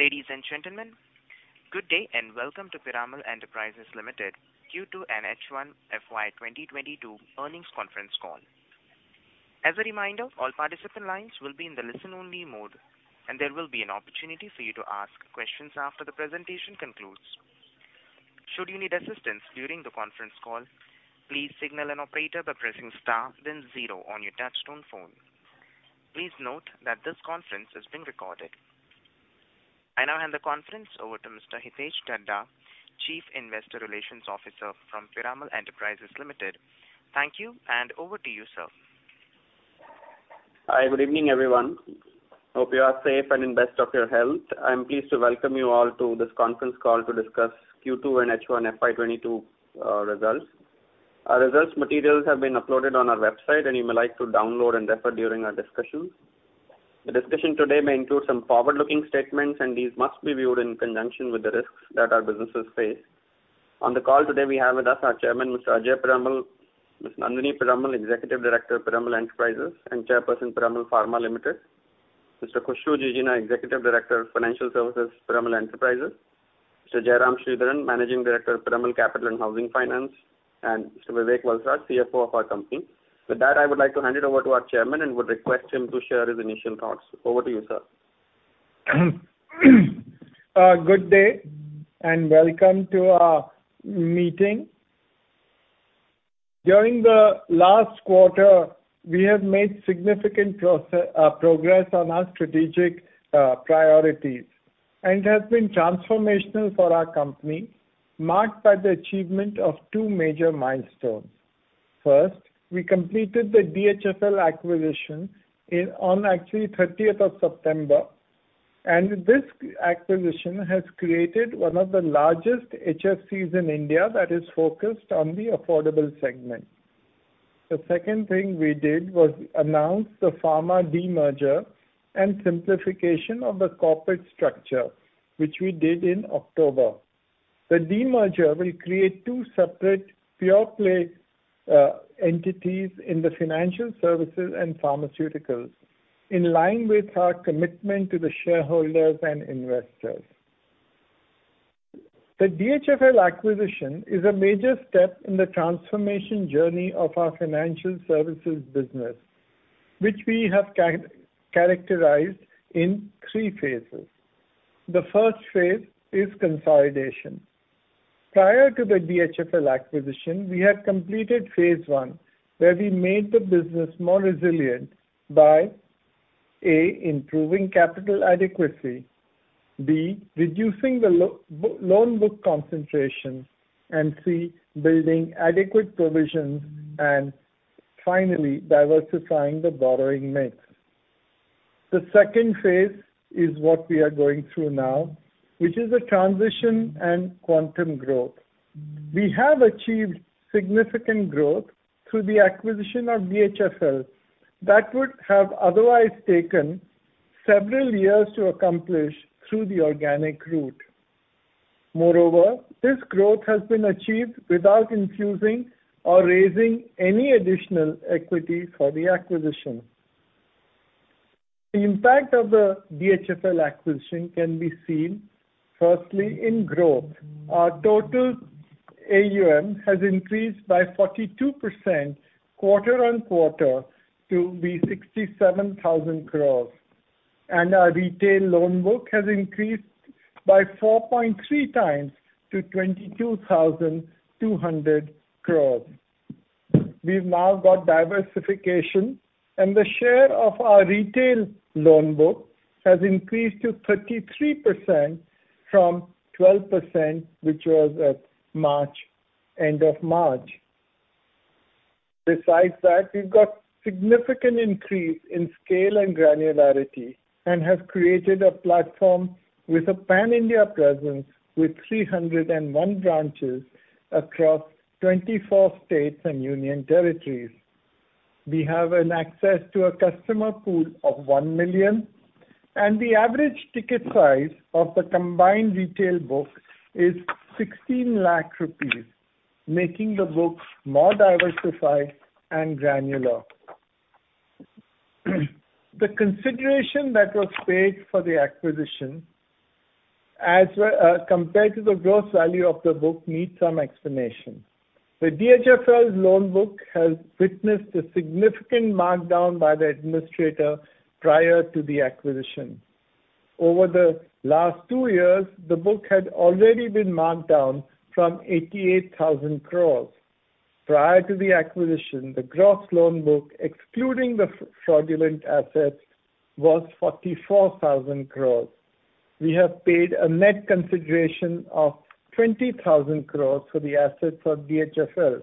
Ladies and gentlemen, good day, and welcome to Piranal Enterprises Limited Q2 and H1 FY 2022 earnings conference call. As a reminder, all participant lines will be in the listen-only mode, and there will be an opportunity for you to ask questions after the presentation concludes. Should you need assistance during the conference call, please signal an operator by pressing star then zero on your touchtone phone. Please note that this conference is being recorded. I now hand the conference over to Mr. Hitesh Dhaddha, Chief Investor Relations Officer from Piranal Enterprises Limited. Thank you, and over to you, sir. Hi, good evening, everyone. Hope you are safe and in best of your health. I am pleased to welcome you all to this conference call to discuss Q2 and H1 FY 2022 results. Our results materials have been uploaded on our website, and you may like to download and refer during our discussions. The discussion today may include some forward-looking statements, and these must be viewed in conjunction with the risks that our businesses face. On the call today, we have with us our Chairman, Mr. Ajay Piranal, Ms. Nandini Piranal, Executive Director of Piranal Enterprises and Chairperson, Piranal Pharma Limited, Mr. Khushru Jijina, Executive Director of Financial Services, Piranal Enterprises, Mr. Jairam Sridharan, Managing Director of Piranal Capital & Housing Finance, and Mr. Vivek Valsaraj, CFO of our company. With that, I would like to hand it over to our Chairman and would request him to share his initial thoughts. Over to you, sir. Good day, and welcome to our meeting. During the last quarter, we have made significant progress on our strategic priorities and has been transformational for our company, marked by the achievement of two major milestones. First, we completed the DHFL acquisition on actually 30th of September, and this acquisition has created one of the largest HFCs in India that is focused on the affordable segment. The second thing we did was announce the pharma demerger and simplification of the corporate structure, which we did in October. The demerger will create two separate pure play entities in the financial services and pharmaceuticals in line with our commitment to the shareholders and investors. The DHFL acquisition is a major step in the transformation journey of our financial services business, which we have characterized in three phases. The first phase is consolidation. Prior to the DHFL acquisition, we had completed phase one, where we made the business more resilient by A, improving capital adequacy, B, reducing the loan book concentration, and C, building adequate provisions and finally diversifying the borrowing mix. The second phase is what we are going through now, which is a transition and quantum growth. We have achieved significant growth through the acquisition of DHFL that would have otherwise taken several years to accomplish through the organic route. Moreover, this growth has been achieved without infusing or raising any additional equity for the acquisition. The impact of the DHFL acquisition can be seen, firstly, in growth. Our total AUM has increased by 42% quarter-on-quarter to be 67,000 crore. Our retail loan book has increased by 4.3x to 22,200 crore. We've now got diversification, and the share of our retail loan book has increased to 33% from 12%, which was at the end of March. Besides that, we've got significant increase in scale and granularity and have created a platform with a pan-India presence with 301 branches across 24 states and union territories. We have access to a customer pool of 1 million, and the average ticket size of the combined retail book is 16 lakh rupees, making the books more diversified and granular. The consideration that was paid for the acquisition as compared to the gross value of the book needs some explanation. DHFL's loan book has witnessed a significant markdown by the administrator prior to the acquisition. Over the last two years, the book had already been marked down from 88,000 crore. Prior to the acquisition, the gross loan book, excluding the fraudulent assets, was 44,000 crore. We have paid a net consideration of 20,000 crore for the assets of DHFL.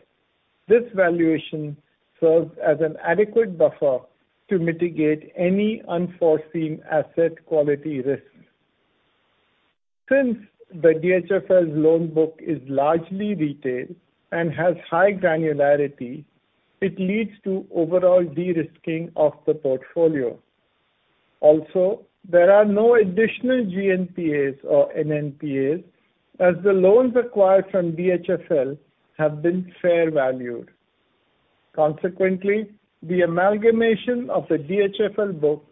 This valuation serves as an adequate buffer to mitigate any unforeseen asset quality risk. Since the DHFL's loan book is largely retail and has high granularity, it leads to overall de-risking of the portfolio. Also, there are no additional GNPA or NNPA as the loans acquired from DHFL have been fair valued. Consequently, the amalgamation of the DHFL book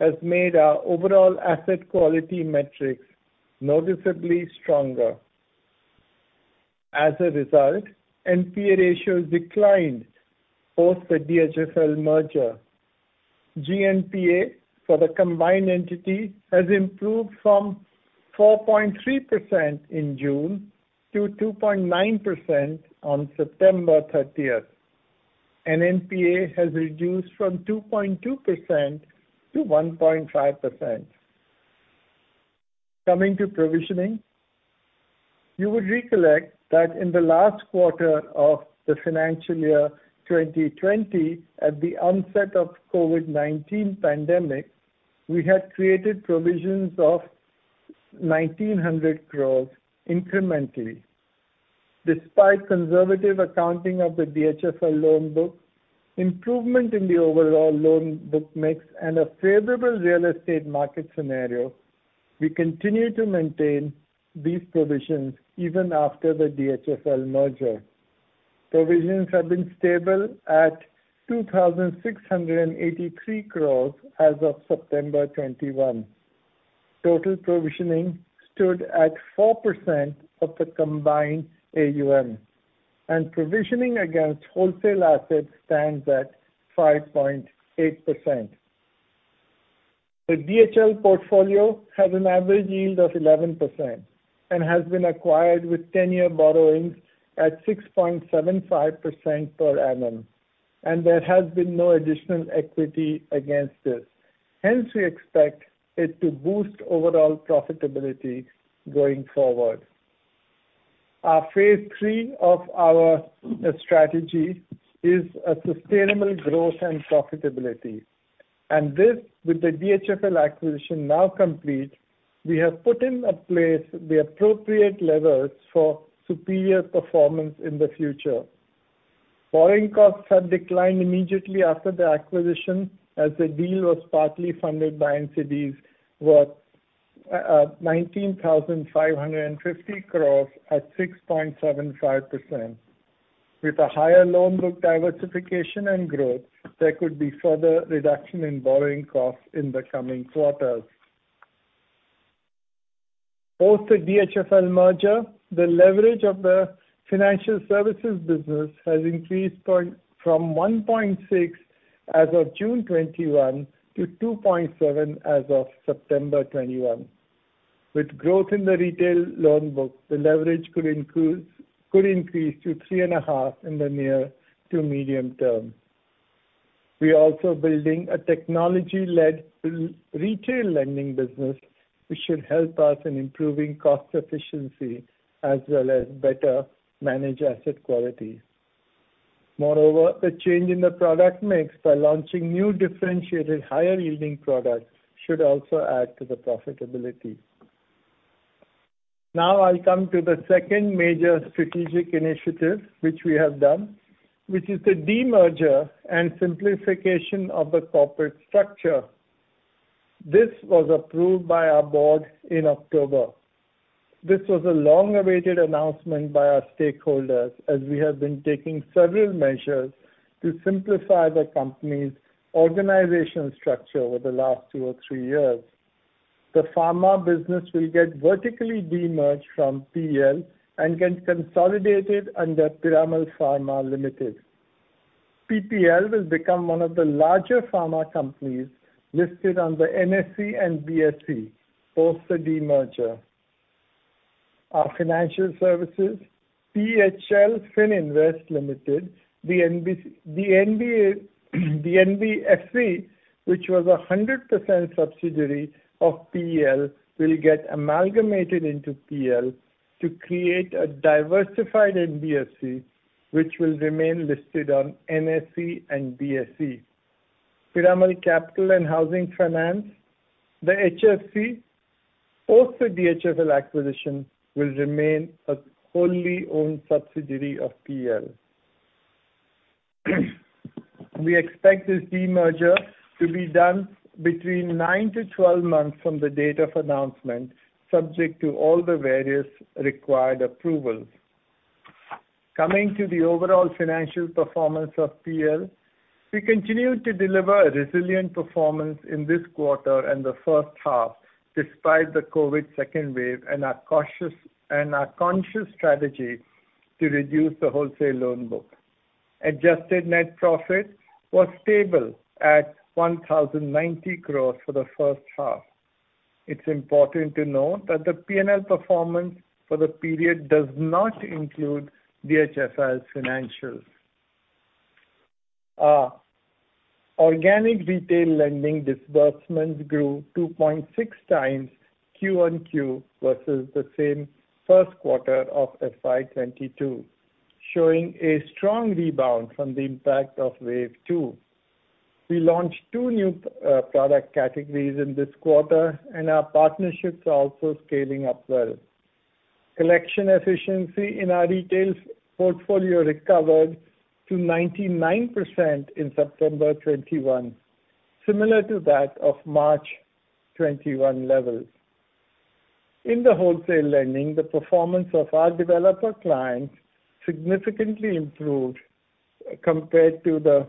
has made our overall asset quality metrics noticeably stronger. As a result, NPA ratios declined post the DHFL merger. GNPA for the combined entity has improved from 4.3% in June to 2.9% on September 30th. NPA has reduced from 2.2% to 1.5%. Coming to provisioning, you would recollect that in the last quarter of the financial year 2020, at the onset of COVID-19 pandemic, we had created provisions of 1,900 crore incrementally. Despite conservative accounting of the DHFL loan book, improvement in the overall loan book mix and a favorable real estate market scenario, we continue to maintain these provisions even after the DHFL merger. Provisions have been stable at 2,683 crore as of September 2021. Total provisioning stood at 4% of the combined AUM, and provisioning against wholesale assets stands at 5.8%. The DHFL portfolio has an average yield of 11% and has been acquired with 10-year borrowings at 6.75% per annum, and there has been no additional equity against this. Hence, we expect it to boost overall profitability going forward. Our phase three of our strategy is a sustainable growth and profitability. This, with the DHFL acquisition now complete, we have put in place the appropriate levers for superior performance in the future. Borrowing costs have declined immediately after the acquisition, as the deal was partly funded by NCDs worth INR 19,550 crores at 6.75%. With a higher loan book diversification and growth, there could be further reduction in borrowing costs in the coming quarters. Post the DHFL merger, the leverage of the financial services business has increased from 1.6 as of June 2021 to 2.7 as of September 2021. With growth in the retail loan book, the leverage could increase to 3.5 in the near- to medium-term. We are also building a technology-led retail lending business which should help us in improving cost efficiency as well as better manage asset quality. Moreover, the change in the product mix by launching new differentiated higher-yielding products should also add to the profitability. Now I'll come to the second major strategic initiative which we have done, which is the demerger and simplification of the corporate structure. This was approved by our board in October. This was a long-awaited announcement by our stakeholders, as we have been taking several measures to simplify the company's organizational structure over the last two or three years. The pharma business will get vertically demerged from PEL and get consolidated under Piramal Pharma Limited. PPL will become one of the larger pharma companies listed on the NSE and BSE post the demerger. Our financial services, PHL Fininvest Private Limited, the NBFC, which was a 100% subsidiary of PEL, will get amalgamated into PEL to create a diversified NBFC, which will remain listed on NSE and BSE. Piramal Capital and Housing Finance, the HFC, post the DHFL acquisition, will remain a wholly owned subsidiary of PEL. We expect this demerger to be done between 9-12 months from the date of announcement, subject to all the various required approvals. Coming to the overall financial performance of PEL, we continue to deliver a resilient performance in this quarter and the H1, despite the COVID second wave and our cautious and conscious strategy to reduce the wholesale loan book. Adjusted net profit was stable at 1,090 crores for the H1. It's important to note that the P&L performance for the period does not include DHFL's financials. Organic retail lending disbursements grew 2.6x Q-on-Q versus the same first quarter of FY 2022, showing a strong rebound from the impact of wave two. We launched two new product categories in this quarter and our partnerships are also scaling up well. Collection efficiency in our retail portfolio recovered to 99% in September 2021, similar to that of March 2021 levels. In the wholesale lending, the performance of our developer clients significantly improved compared to the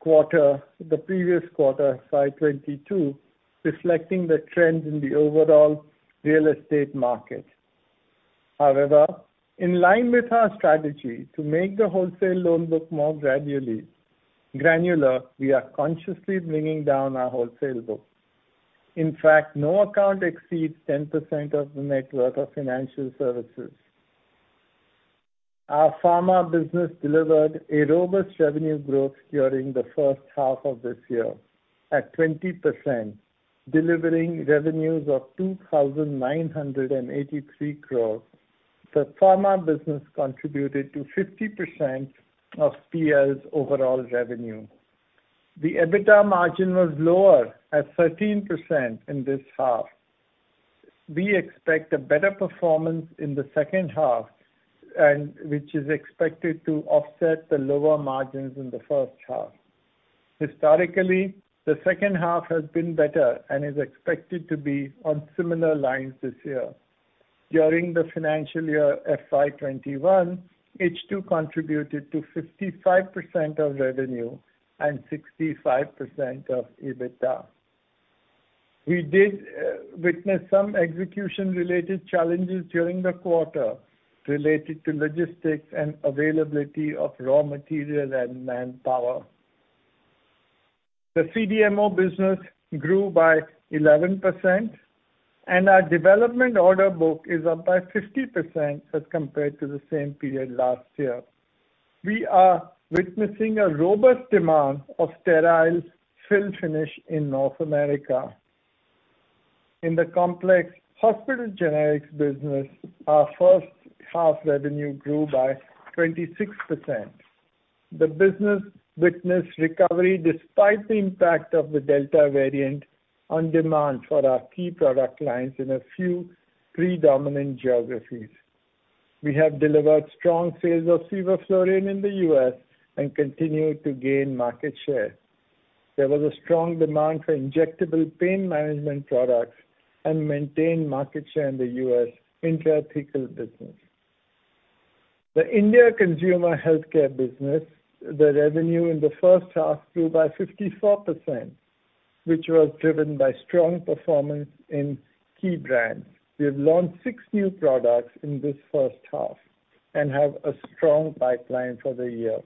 previous quarter, FY 2022, reflecting the trend in the overall real estate market. However, in line with our strategy to make the wholesale loan book more granular, we are consciously bringing down our wholesale book. In fact, no account exceeds 10% of the net worth of financial services. Our pharma business delivered a robust revenue growth during the H1 of this year at 20%, delivering revenues of 2,983 crore. The pharma business contributed to 50% of PEL's overall revenue. The EBITDA margin was lower at 13% in this half. We expect a better performance in the H2 and which is expected to offset the lower margins in the H1. Historically, the H2 has been better and is expected to be on similar lines this year. During the financial year FY 2021, H2 contributed to 55% of revenue and 65% of EBITDA. We did witness some execution-related challenges during the quarter related to logistics and availability of raw material and manpower. The CDMO business grew by 11% and our development order book is up by 50% as compared to the same period last year. We are witnessing a robust demand of sterile fill finish in North America. In the complex hospital generics business, our H1 revenue grew by 26%. The business witnessed recovery despite the impact of the Delta variant on demand for our key product lines in a few predominant geographies. We have delivered strong sales of levofloxacin in the U.S. and continue to gain market share. There was a strong demand for injectable pain management products and maintained market share in the U.S. intrathecal business. The India consumer healthcare business, the revenue in the H1 grew by 54%, which was driven by strong performance in key brands. We have launched six new products in this H1 and have a strong pipeline for the year.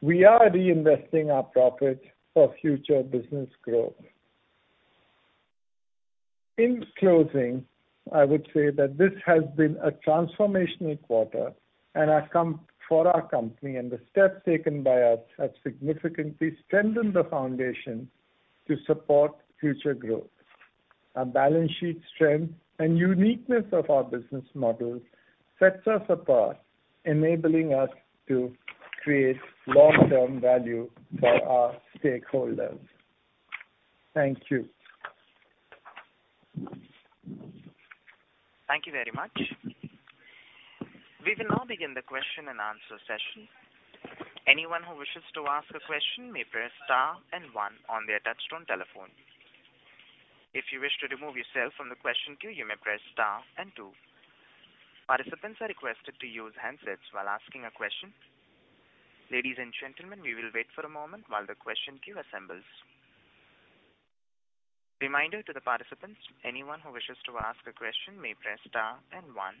We are reinvesting our profits for future business growth. In closing, I would say that this has been a transformational quarter for our company, and the steps taken by us have significantly strengthened the foundation to support future growth. Our balance sheet strength and uniqueness of our business model sets us apart, enabling us to create long-term value for our stakeholders. Thank you. Thank you very much. We will now begin the question and answer session. Anyone who wishes to ask a question may press star and one on their touch-tone telephone. If you wish to remove yourself from the question queue, you may press star and two. Participants are requested to use handsets while asking a question. Ladies and gentlemen, we will wait for a moment while the question queue assembles. Reminder to the participants, anyone who wishes to ask a question may press star and one.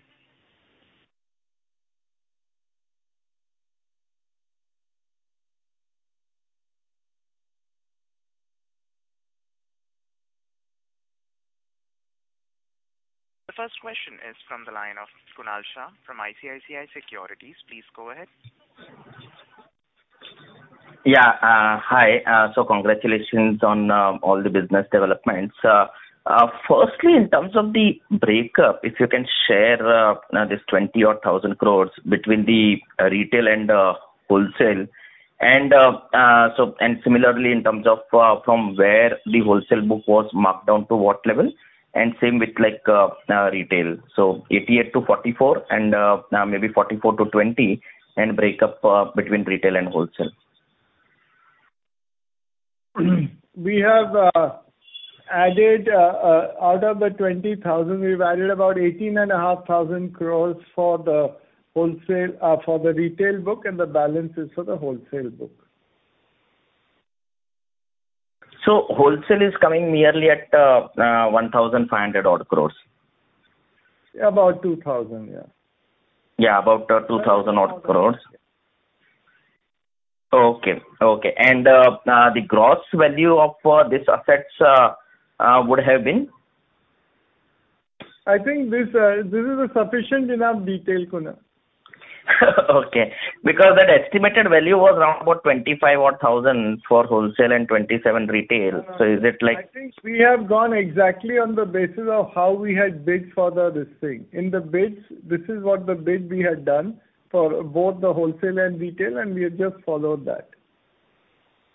The first question is from the line of Kunal Shah from ICICI Securities. Please go ahead. Hi. Congratulations on all the business developments. Firstly, in terms of the breakup, if you can share this 20,000-odd crore between the retail and wholesale. Similarly, in terms of from where the wholesale book was marked down to what level, and same with like retail. 88 crore-44 crore and maybe 44 crore-20 crore, and breakup between retail and wholesale. Out of the 20,000 crore, we've added about 18,500 crore for the retail book, and the balance is for the wholesale book. Wholesale is coming merely at 1,500 odd crores. About 2,000, yeah. Yeah, about 2,000-odd crore. Okay. The gross value of this assets would have been? I think this is a sufficient enough detail, Kunal. Okay. Because that estimated value was around about 25,000-odd for wholesale and 27,000 retail. Is it like. I think we have gone exactly on the basis of how we had bid for the, this thing. In the bids, this is what the bid we had done for both the wholesale and retail, and we have just followed that.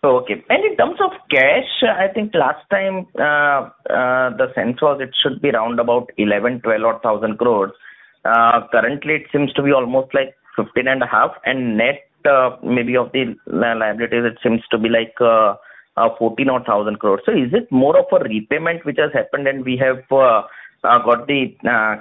Okay. In terms of cash, I think last time, the sense was it should be around about 11,000-12,000 crore. Currently it seems to be almost like 15,500 crore, and net, maybe of the liability that seems to be like 14,000 crore. Is it more of a repayment which has happened and we have got the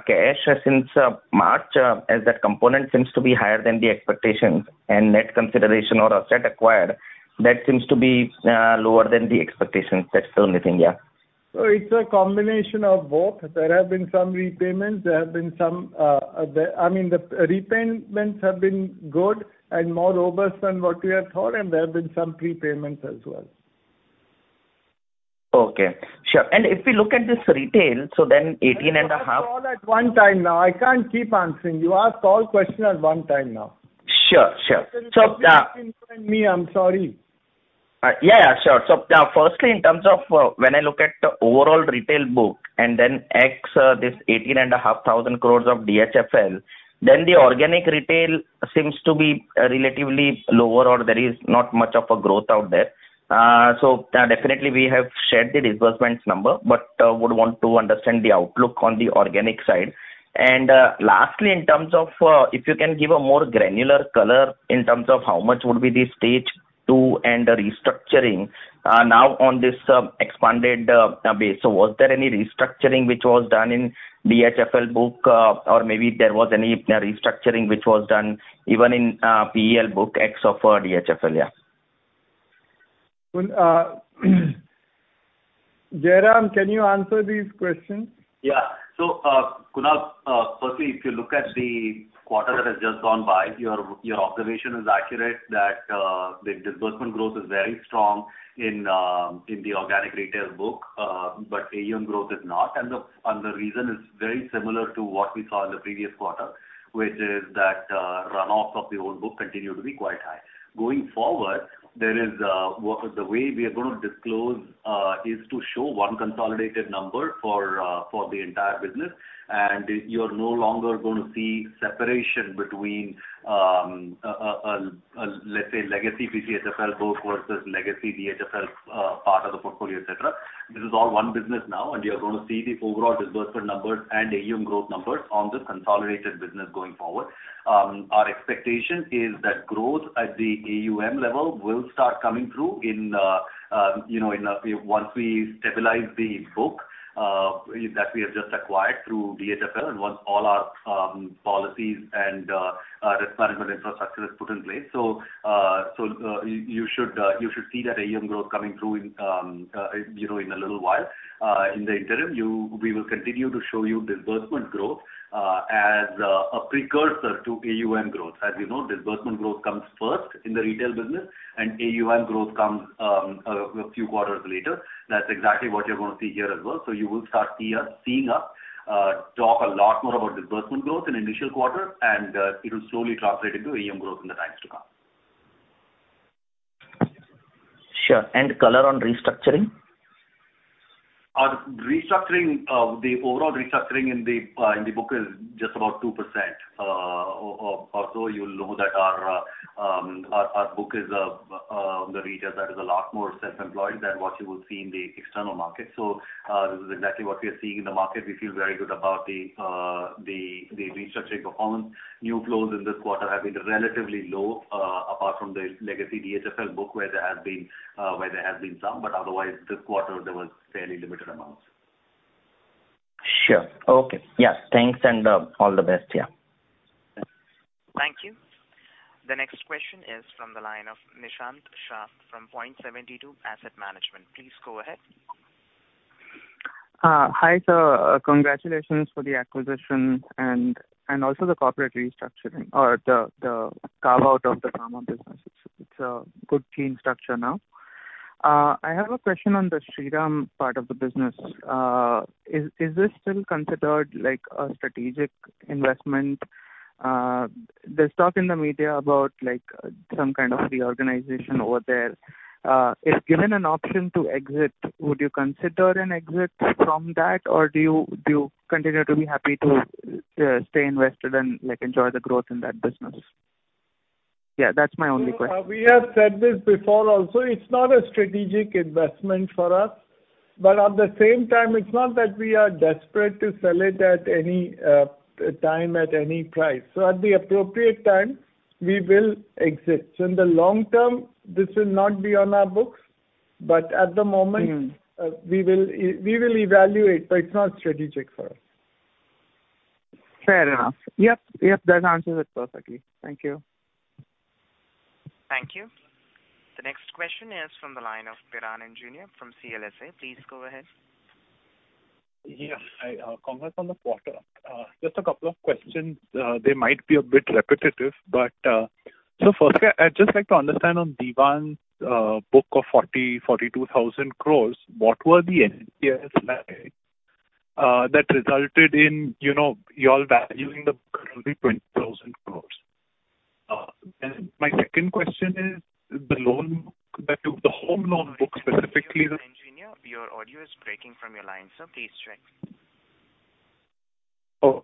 cash since March, as that component seems to be higher than the expectations and net consideration or asset acquired that seems to be lower than the expectations. That's the only thing. Yeah. It's a combination of both. There have been some repayments. I mean, the repayments have been good and more robust than what we had thought, and there have been some prepayments as well. Okay. Sure. If we look at this retail, so then 18.5. Ask all at one time now. I can't keep answering. You ask all questions at one time now. Sure, sure. I'm sorry. Yeah, sure. Firstly, in terms of when I look at the overall retail book and then ex this 18,500 crores of DHFL, then the organic retail seems to be relatively lower or there is not much of a growth out there. Definitely we have shared the disbursements number, but would want to understand the outlook on the organic side. Lastly, in terms of if you can give a more granular color in terms of how much would be the stage two and the restructuring now on this expanded base. Was there any restructuring which was done in DHFL book, or maybe there was any restructuring which was done even in PEL book ex of DHFL? Yeah. Well, Jairam, can you answer these questions? Yeah. Kunal, firstly, if you look at the quarter that has just gone by, your observation is accurate that the disbursement growth is very strong in the organic retail book, but AUM growth is not. The reason is very similar to what we saw in the previous quarter, which is that run-offs of the old book continue to be quite high. Going forward, the way we are going to disclose is to show one consolidated number for the entire business, and you're no longer going to see separation between, let's say legacy BCFL book versus legacy DHFL part of the portfolio, et cetera. This is all one business now, and you're going to see the overall disbursement numbers and AUM growth numbers on this consolidated business going forward. Our expectation is that growth at the AUM level will start coming through, you know, once we stabilize the book that we have just acquired through DHFL and once all our policies and risk management infrastructure is put in place. You should see that AUM growth coming through in, you know, a little while. In the interim, we will continue to show you disbursement growth as a precursor to AUM growth. As you know, disbursement growth comes first in the retail business and AUM growth comes a few quarters later. That's exactly what you're going to see here as well. You will start seeing us talk a lot more about disbursement growth in initial quarter, and it'll slowly translate into AUM growth in the times to come. Sure. Color on restructuring? Our restructuring, the overall restructuring in the book is just about 2%. Also you'll know that our book is the retail that is a lot more self-employed than what you would see in the external market. This is exactly what we are seeing in the market. We feel very good about the restructuring performance. New flows in this quarter have been relatively low, apart from the legacy DHFL book where there has been some, but otherwise this quarter there was fairly limited amounts. Sure. Okay. Yes, thanks, and all the best. Yeah. Thank you. The next question is from the line of Nishant Shah from Point72 Asset Management. Please go ahead. Hi, sir. Congratulations for the acquisition and also the corporate restructuring or the carve-out of the pharma business. It's a good clean structure now. I have a question on the Shriram part of the business. Is this still considered like a strategic investment? There's talk in the media about like some kind of reorganization over there. If given an option to exit, would you consider an exit from that, or do you continue to be happy to stay invested and, like, enjoy the growth in that business? Yeah, that's my only question. We have said this before also, it's not a strategic investment for us, but at the same time, it's not that we are desperate to sell it at any time, at any price. So at the appropriate time we will exit. So in the long term, this will not be on our books, but at the moment. Mm-hmm. We will evaluate, but it's not strategic for us. Fair enough. Yep. Yep, that answers it perfectly. Thank you. Thank you. The next question is from the line of Piran Engineer from CLSA. Please go ahead. Yeah. Hi, congrats on the quarter. Just a couple of questions. They might be a bit repetitive, but firstly I'd just like to understand on DHFL's book of 42,000 crore, what were the NPAs like that resulted in, you know, y'all valuing the book only 20,000 crore? Then my second question is the loan book, the home loan book specifically. Piran Engineer, your audio is breaking from your line, sir. Please check. Oh,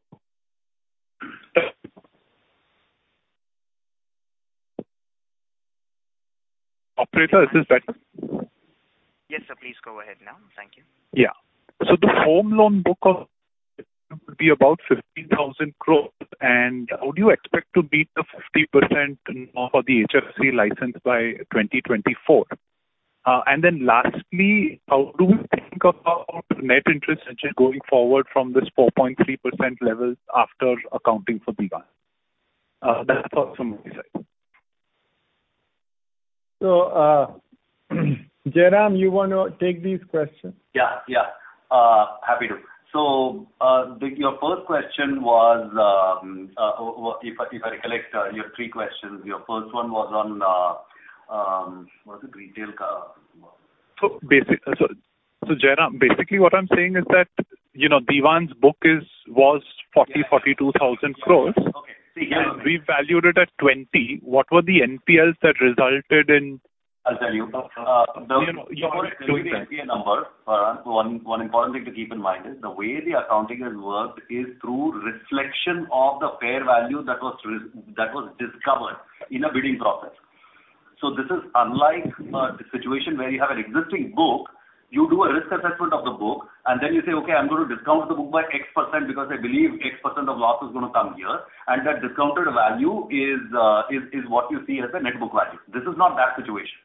Operator, is this better? Yes, sir. Please go ahead now. Thank you. Yeah. The home loan book would be about 15,000 crores. How do you expect to meet the 50% for the HFC license by 2024? Lastly, how do you think about net interest going forward from this 4.3% level after accounting for Dewan? That's all from my side. Jairam, you want to take these questions? Yeah, yeah. Happy to. To your first question, if I recollect, your three questions, your first one was on, was it retail? Jairam, basically what I'm saying is that, you know, Dewan's book was 42,000 crore. Okay. We valued it at 20. What were the NPLs that resulted in? I'll tell you. NPA number, Piran. One important thing to keep in mind is the way the accounting has worked is through reflection of the fair value that was discovered in a bidding process. This is unlike the situation where you have an existing book, you do a risk assessment of the book, and then you say, "Okay, I'm going to discount the book by X% because I believe X% of loss is going to come here." That discounted value is what you see as a net book value. This is not that situation.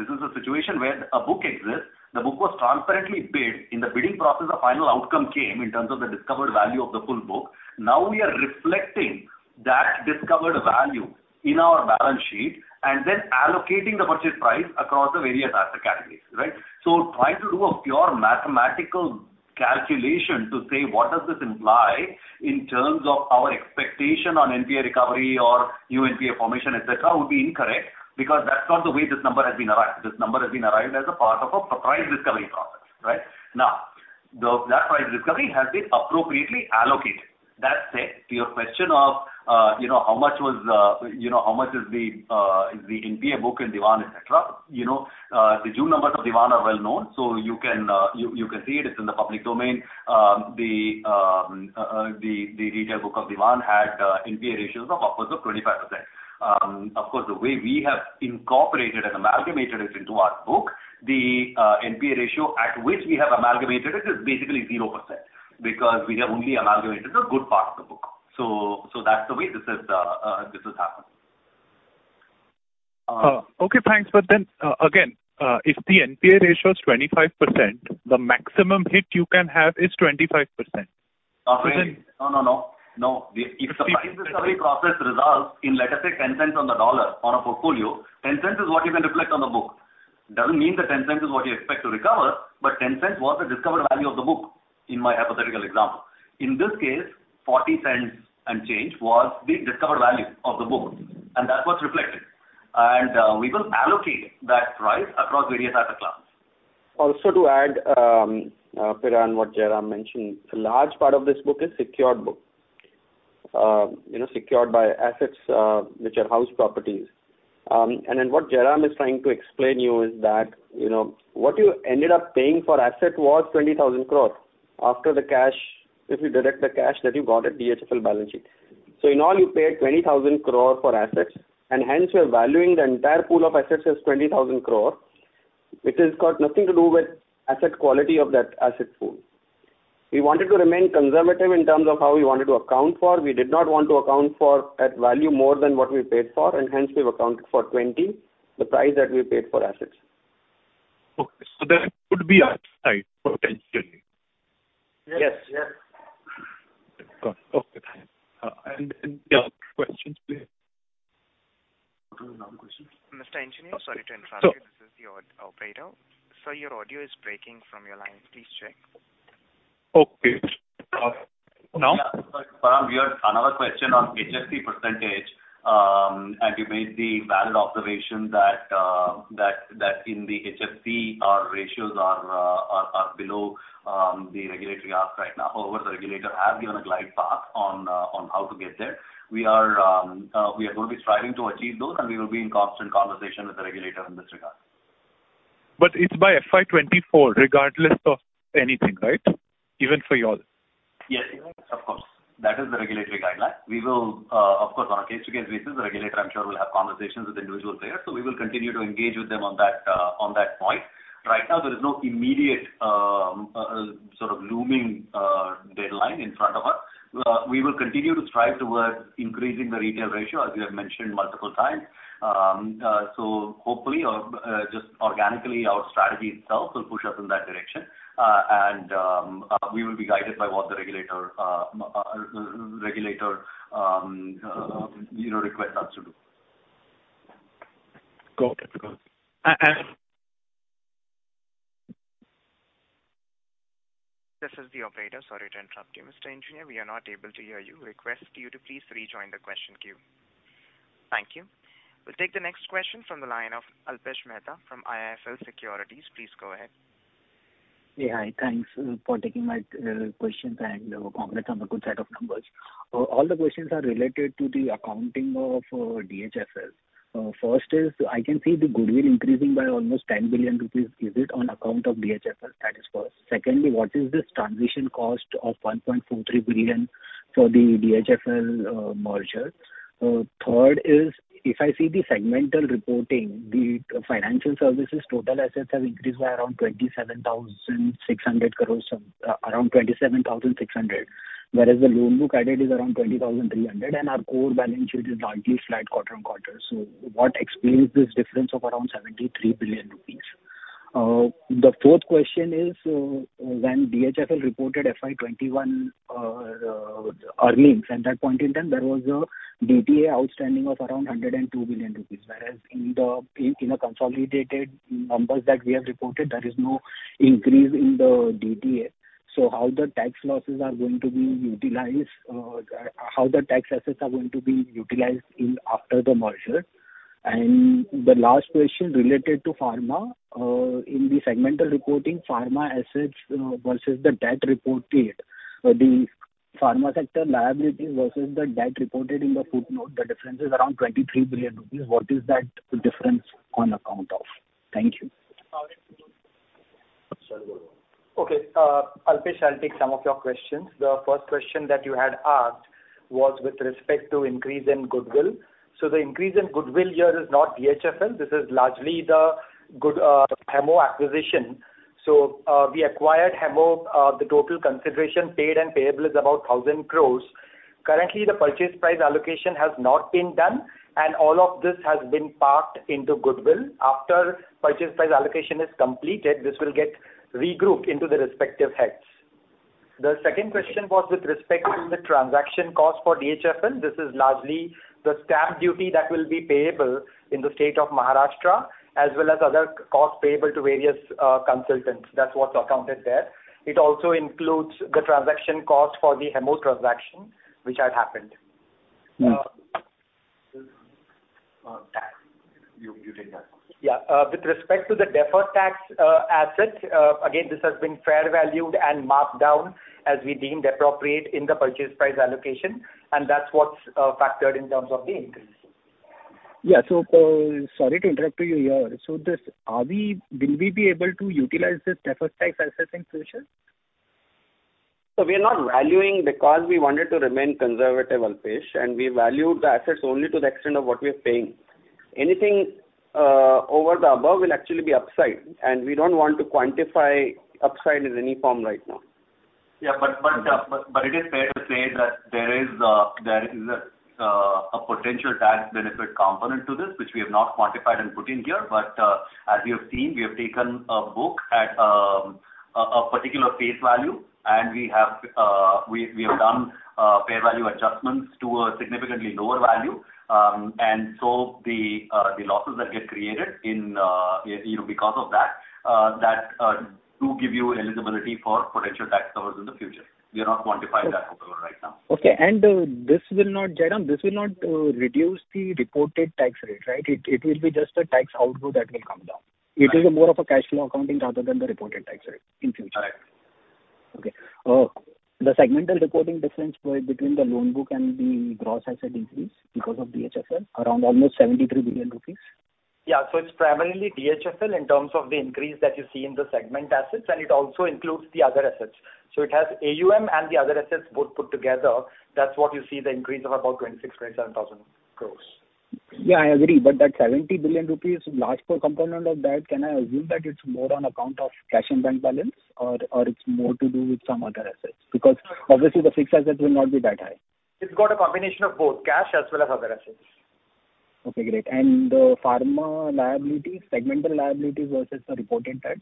This is a situation where a book exists. The book was transparently bid. In the bidding process, the final outcome came in terms of the discovered value of the full book. Now we are reflecting that discovered value in our balance sheet and then allocating the purchase price across the various asset categories, right? Trying to do a pure mathematical calculation to say what does this imply in terms of our expectation on NPA recovery or new NPA formation, et cetera, would be incorrect because that's not the way this number has been arrived. This number has been arrived as a part of a price discovery process, right? Now, that price discovery has been appropriately allocated. That said, to your question of, you know, how much is the NPA book in Dewan, et cetera. You know, the June numbers of Dewan are well-known, so you can see it. It's in the public domain. The retail book of Dewan had NPA ratios of upwards of 25%. Of course, the way we have incorporated and amalgamated it into our book, the NPA ratio at which we have amalgamated it is basically 0%, because we have only amalgamated a good part of the book. That's the way this has happened. Okay, thanks. Again, if the NPA ratio is 25%, the maximum hit you can have is 25%. No, no. No. If the price discovery process results in, let us say, $0.10 on the dollar on a portfolio, $0.10 is what you can reflect on the book. Doesn't mean that $0.10 is what you expect to recover, but $0.10 was the discovered value of the book in my hypothetical example. In this case, $0.40 and change was the discovered value of the book, and that's what's reflected. We will allocate that price across various asset classes. To add, Piran, what Jairam mentioned, a large part of this book is secured book. You know, secured by assets, which are house properties. Then what Jairam is trying to explain you is that, you know, what you ended up paying for asset was 20,000 crore after the cash, if you deduct the cash that you got at DHFL balance sheet. In all, you paid 20,000 crore for assets, and hence you're valuing the entire pool of assets as 20,000 crore, which has got nothing to do with asset quality of that asset pool. We wanted to remain conservative in terms of how we wanted to account for. We did not want to account for at value more than what we paid for, and hence we've accounted for 20,000 crore, the price that we paid for assets. Okay. That could be upside potentially. Yes. Yes. Got it. Okay, thanks. The other questions please. Mr. Engineer, sorry to interrupt you. This is the operator. Sir, your audio is breaking from your line. Please check. Okay. Now? Yeah. Piran, you had another question on HFC percentage, and you made the valid observation that in the HFC our ratios are below the regulatory ask right now. However, the regulator has given a glide path on how to get there. We are going to be striving to achieve those, and we will be in constant conversation with the regulator in this regard. It's by FY 2024 regardless of anything, right? Even for you all. Yes, of course. That is the regulatory guideline. We will, of course, on a case-by-case basis, the regulator, I'm sure, will have conversations with individual players, so we will continue to engage with them on that point. Right now, there is no immediate, sort of looming, deadline in front of us. We will continue to strive towards increasing the retail ratio, as we have mentioned multiple times. Hopefully or just organically, our strategy itself will push us in that direction. We will be guided by what the regulator you know requests us to do. Got it. This is the operator. Sorry to interrupt you, Mr. Piran Engineer. We are not able to hear you. Request you to please rejoin the question queue. Thank you. We'll take the next question from the line of Alpesh Mehta from IIFL Securities. Please go ahead. Hi. Thanks for taking my questions and congrats on the good set of numbers. All the questions are related to the accounting of DHFL. First, I can see the goodwill increasing by almost 10 billion rupees. Is it on account of DHFL? That is first. Secondly, what is this transition cost of 1.43 billion for the DHFL merger? Third, if I see the segmental reporting, the financial services total assets have increased by around 27,600 crore, around 27,600. Whereas the loan book added is around 20,300 crore, and our core balance sheet is largely flat quarter-on-quarter. So what explains this difference of around 73 billion rupees? The fourth question is, when DHFL reported FY 2021 earnings at that point in time, there was a DTA outstanding of around 102 billion rupees. Whereas in the consolidated numbers that we have reported, there is no increase in the DTA. How the tax losses are going to be utilized, how the tax assets are going to be utilized after the merger? The last question related to pharma. In the segmental reporting, pharma assets versus the debt reported. The pharma sector liabilities versus the debt reported in the footnote, the difference is around 23 billion rupees. What is that difference on account of? Thank you. Okay. Alpesh, I'll take some of your questions. The first question that you had asked was with respect to increase in goodwill. The increase in goodwill here is not DHFL. This is largely the Hemmo acquisition. We acquired Hemmo. The total consideration paid and payable is about 1,000 crore. Currently, the purchase price allocation has not been done, and all of this has been parked into goodwill. After purchase price allocation is completed, this will get regrouped into the respective heads. The second question was with respect to the transaction cost for DHFL. This is largely the stamp duty that will be payable in the state of Maharashtra as well as other costs payable to various consultants. That's what's accounted there. It also includes the transaction cost for the Hemmo transaction which had happened. Mm-hmm. Yeah. With respect to the deferred tax asset, again, this has been fair valued and marked down as we deemed appropriate in the purchase price allocation, and that's what's factored in terms of the increase. Sorry to interrupt you here. Will we be able to utilize this deferred tax assets in future? We are not valuing because we wanted to remain conservative, Alpesh, and we valued the assets only to the extent of what we are paying. Anything over and above will actually be upside, and we don't want to quantify upside in any form right now. It is fair to say that there is a potential tax benefit component to this, which we have not quantified and put in here. As you have seen, we have taken the book at a particular face value, and we have done fair value adjustments to a significantly lower value. The losses that get created, you know, because of that, do give you eligibility for potential tax covers in the future. We are not quantifying that for now. Okay. This will not, Jairam, reduce the reported tax rate, right? It will be just a tax outflow that will come down. Right. It's more of a cash flow accounting rather than the reported tax rate in the future. Right. Okay. The segmental reporting difference between the loan book and the gross asset increase because of DHFL around almost 73 billion rupees. Yeah. It's primarily DHFL in terms of the increase that you see in the segment assets, and it also includes the other assets. It has AUM and the other assets both put together. That's what you see the increase of about 26,000 crore-27,000 crore. Yeah, I agree. That 70 billion rupees, large core component of that, can I assume that it's more on account of cash and bank balance or it's more to do with some other assets? Because obviously the fixed asset will not be that high. It's got a combination of both cash as well as other assets. Okay, great. Pharma liability, segmental liability versus the reported debt?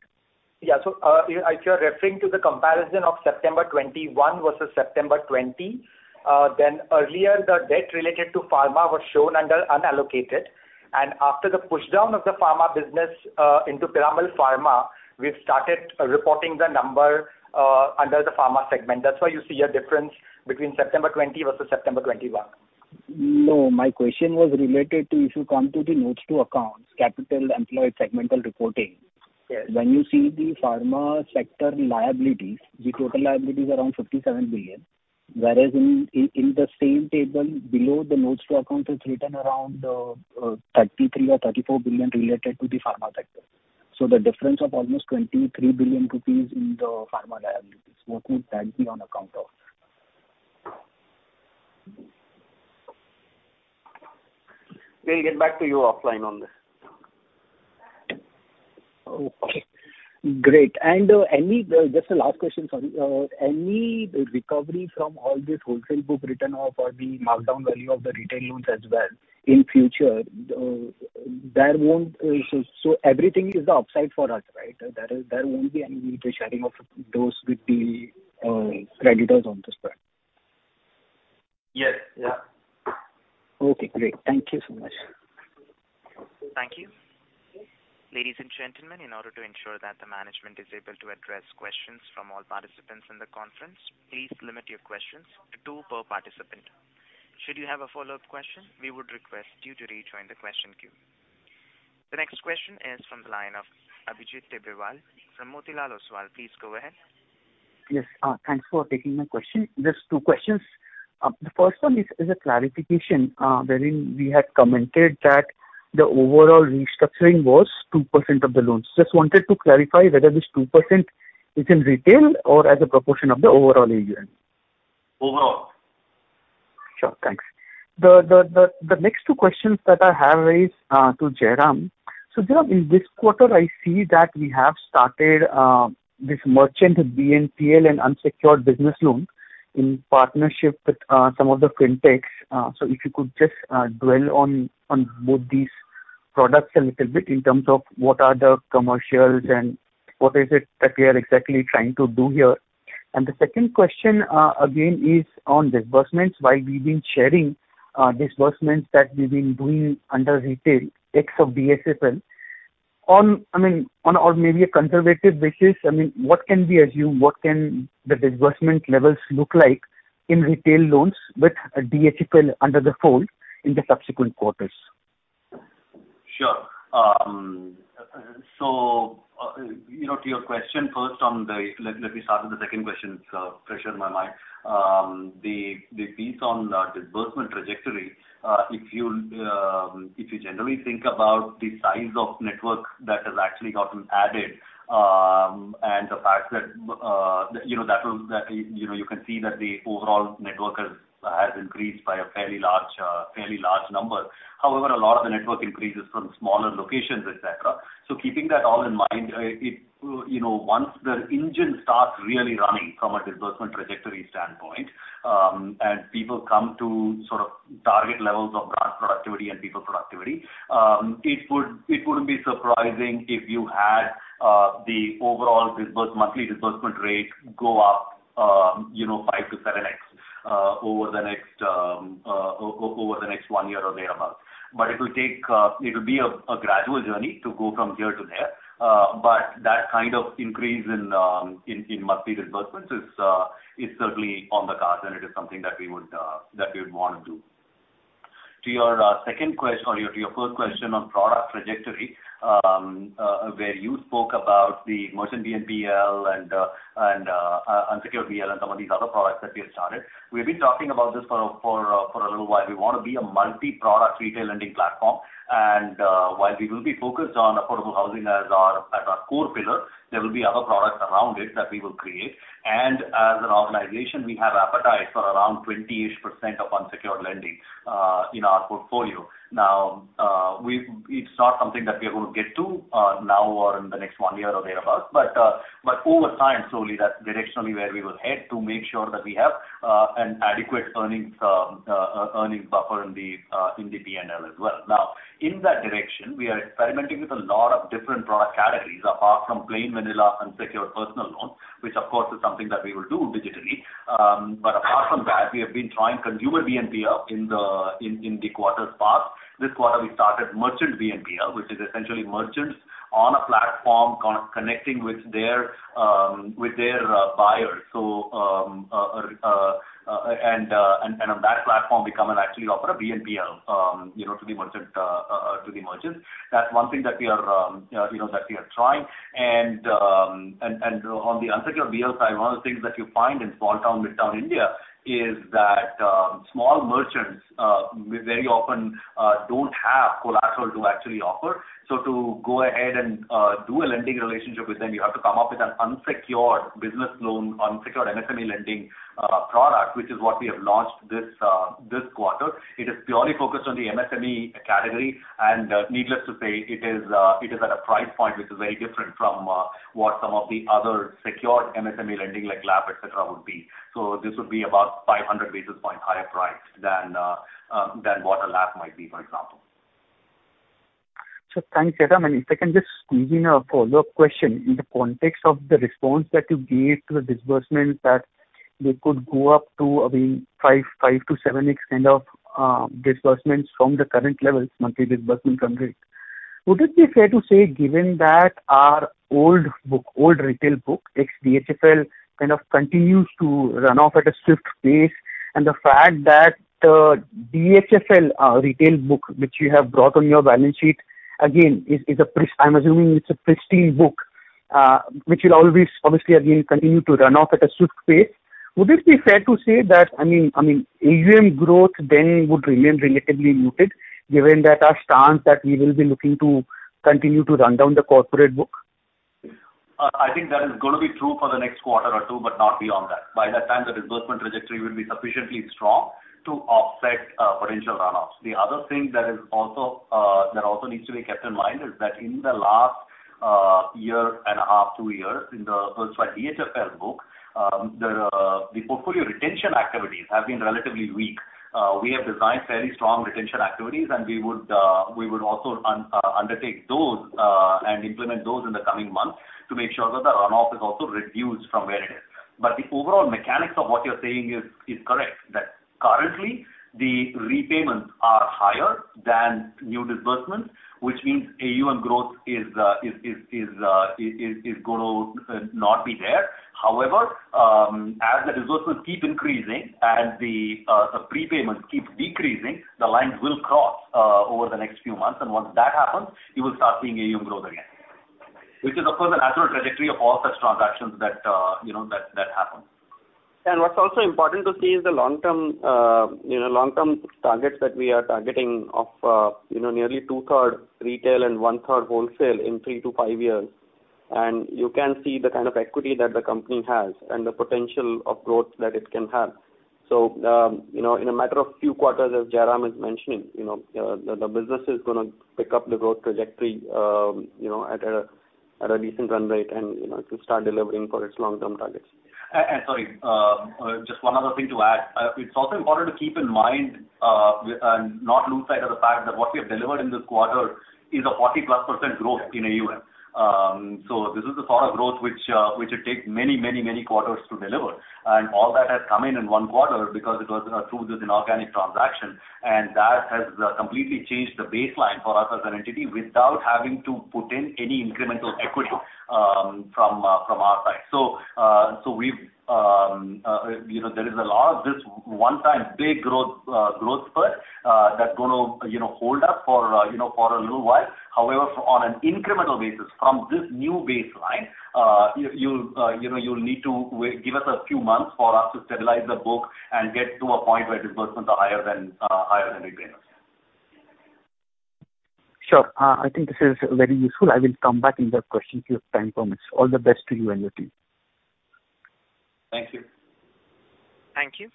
Yeah. If you're referring to the comparison of September 2021 versus September 2020, then earlier the debt related to pharma was shown under unallocated. After the push down of the pharma business into Piramal Pharma, we've started reporting the number under the pharma segment. That's why you see a difference between September 2020 versus September 2021. No, my question was related to if you come to the notes to accounts, capital employed segmental reporting. Yes. When you see the pharma sector liabilities, the total liability is around 57 billion. Whereas in the same table below the notes to account, it's written around 33 or 34 billion related to the pharma sector. The difference of almost 23 billion rupees in the pharma liabilities, what would that be on account of? We'll get back to you offline on this. Okay, great. Any just a last question, sorry. Any recovery from all this wholesale book written off or the markdown value of the retail loans as well in future? Everything is upside for us, right? There won't be any sharing of those with the creditors on this front. Yes. Yeah. Okay, great. Thank you so much. Thank you. Ladies and gentlemen, in order to ensure that the management is able to address questions from all participants in the conference, please limit your questions to two per participant. Should you have a follow-up question, we would request you to rejoin the question queue. The next question is from the line of Abhijit Tibrewal from Motilal Oswal. Please go ahead. Yes. Thanks for taking my question. Just two questions. The first one is a clarification, wherein we had commented that the overall restructuring was 2% of the loans. Just wanted to clarify whether this 2% is in retail or as a proportion of the overall AUM. Overall. Sure. Thanks. The next two questions that I have is to Jairam. Jairam, in this quarter, I see that we have started this merchant BNPL and unsecured business loan in partnership with some of the fintechs. If you could just dwell on both these products a little bit in terms of what are the commercials and what is it that we are exactly trying to do here. The second question, again, is on disbursements. While we've been sharing disbursements that we've been doing under retail ex of DHFL, I mean, on a maybe conservative basis, I mean, what can we assume, what can the disbursement levels look like in retail loans with DHFL under the fold in the subsequent quarters? Sure. You know, to your question first on the. Let me start with the second question. It's fresher in my mind. The piece on disbursement trajectory, if you generally think about the size of network that has actually gotten added, and the fact that, you know, you can see that the overall network has increased by a fairly large number. However, a lot of the network increases from smaller locations, et cetera. Keeping that all in mind, you know, once the engine starts really running from a disbursement trajectory standpoint, and people come to sort of target levels of branch productivity and people productivity, it wouldn't be surprising if you had the overall monthly disbursement rate go up, you know, 5x-7x over the next one year or thereabout. It will be a gradual journey to go from here to there. That kind of increase in monthly disbursements is certainly on the cards, and it is something that we would want to do. To your first question on product trajectory, where you spoke about the merchant BNPL and unsecured BL and some of these other products that we have started. We've been talking about this for a little while. We want to be a multi-product retail lending platform. While we will be focused on affordable housing as our core pillar, there will be other products around it that we will create. As an organization, we have appetite for around 20%-ish of unsecured lending in our portfolio. It's not something that we're going to get to now or in the next one year or thereabout. Over time, slowly, that's directionally where we will head to make sure that we have an adequate earnings buffer in the P&L as well. Now, in that direction, we are experimenting with a lot of different product categories apart from plain vanilla unsecured personal loans, which of course is something that we will do digitally. Apart from that, we have been trying consumer BNPL in the quarters past. This quarter, we started merchant BNPL, which is essentially merchants on a platform connecting with their buyers. On that platform, we come and actually offer a BNPL, you know, to the merchants. That's one thing that we are, you know, trying. On the unsecured BL side, one of the things that you find in small town, midtown India is that small merchants very often don't have collateral to actually offer. To go ahead and do a lending relationship with them, you have to come up with an unsecured business loan, unsecured MSME lending product, which is what we have launched this quarter. It is purely focused on the MSME category. Needless to say, it is at a price point which is very different from what some of the other secured MSME lending like LAP, et cetera, would be. This would be about 500 basis points higher price than what a LAP might be, for example. Thanks, Jairam. If I can just squeeze in a follow-up question. In the context of the response that you gave to the disbursement that they could go up to, I mean, five to seven x kind of disbursements from the current levels, monthly disbursement run rate. Would it be fair to say, given that our old book, old retail book, ex DHFL, kind of continues to run off at a swift pace, and the fact that the DHFL retail book, which you have brought on your balance sheet again is a pristine book, I'm assuming, which will always obviously again continue to run off at a swift pace. Would it be fair to say that, I mean, AUM growth then would remain relatively muted given that our stance that we will be looking to continue to run down the corporate book? I think that is going to be true for the next quarter or two, but not beyond that. By that time, the disbursement trajectory will be sufficiently strong to offset potential runoffs. The other thing that also needs to be kept in mind is that in the last year and a half, two years in the DHFL book, the portfolio retention activities have been relatively weak. We have designed fairly strong retention activities, and we would also undertake those and implement those in the coming months to make sure that the runoff is also reduced from where it is. But the overall mechanics of what you're saying is correct. That currently the repayments are higher than new disbursements, which means AUM growth is going to not be there. However, as the disbursements keep increasing and the prepayments keep decreasing, the lines will cross over the next few months. Once that happens, you will start seeing AUM growth again. Which is, of course, the natural trajectory of all such transactions that you know happen. What's also important to see is the long-term, you know, long-term targets that we are targeting of, you know, nearly 2/3 retail and 1/3 wholesale in three to five years. You can see the kind of equity that the company has and the potential of growth that it can have. You know, in a matter of few quarters, as Jairam is mentioning, you know, the business is going to pick up the growth trajectory, you know, at a decent run rate and, you know, to start delivering for its long-term targets. Sorry, just one other thing to add. It's also important to keep in mind and not lose sight of the fact that what we have delivered in this quarter is a 40%+ growth in AUM. This is the sort of growth which it takes many quarters to deliver. All that has come in in one quarter because it was through this inorganic transaction, and that has completely changed the baseline for us as an entity without having to put in any incremental equity from our side. We've, you know, there is a lot of this one-time big growth growth spurt that's going to, you know, hold up for, you know, for a little while. However, on an incremental basis from this new baseline, you know, you'll need to give us a few months for us to stabilize the book and get to a point where disbursements are higher than repayments. Sure. I think this is very useful. I will come back in that question if you have time for me. All the best to you and your team. Thank you. Thank you.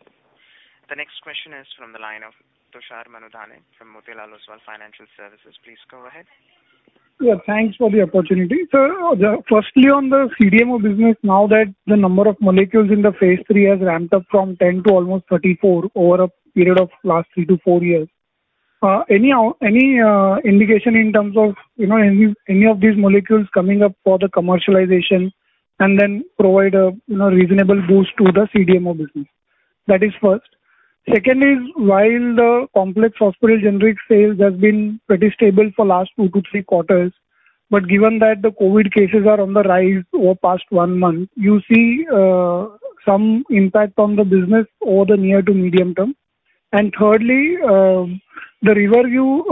The next question is from the line of Tushar Manudhane from Motilal Oswal Financial Services. Please go ahead. Yeah, thanks for the opportunity. Firstly, on the CDMO business, now that the number of molecules in the phase III has ramped up from 10 to almost 34 over a period of last three to four years. Anyhow, any indication in terms of, you know, any of these molecules coming up for the commercialization and then provide a, you know, reasonable boost to the CDMO business? That is first. Second is, while the complex hospital generic sales has been pretty stable for last two to three quarters, but given that the COVID cases are on the rise over past one month, you see, some impact on the business over the near to medium term. Thirdly, the Riverview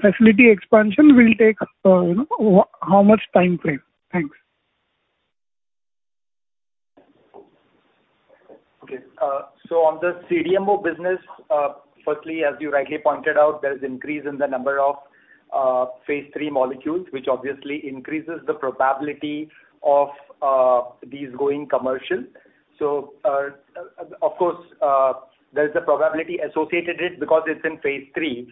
facility expansion will take, you know, how much time frame? Thanks. Okay. On the CDMO business, firstly, as you rightly pointed out, there is increase in the number of phase III molecules, which obviously increases the probability of these going commercial. Of course, there is a probability associated it because it's in phase III.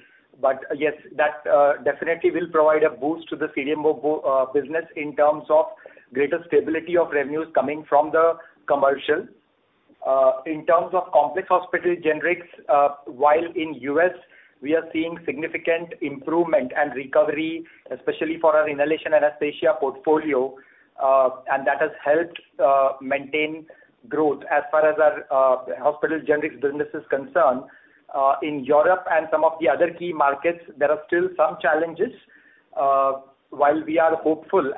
Yes, that definitely will provide a boost to the CDMO business in terms of greater stability of revenues coming from the commercial. In terms of complex hospital generics, while in U.S. we are seeing significant improvement and recovery, especially for our inhalation anesthesia portfolio, and that has helped maintain growth as far as our hospital generics business is concerned. In Europe and some of the other key markets, there are still some challenges. While we are hopeful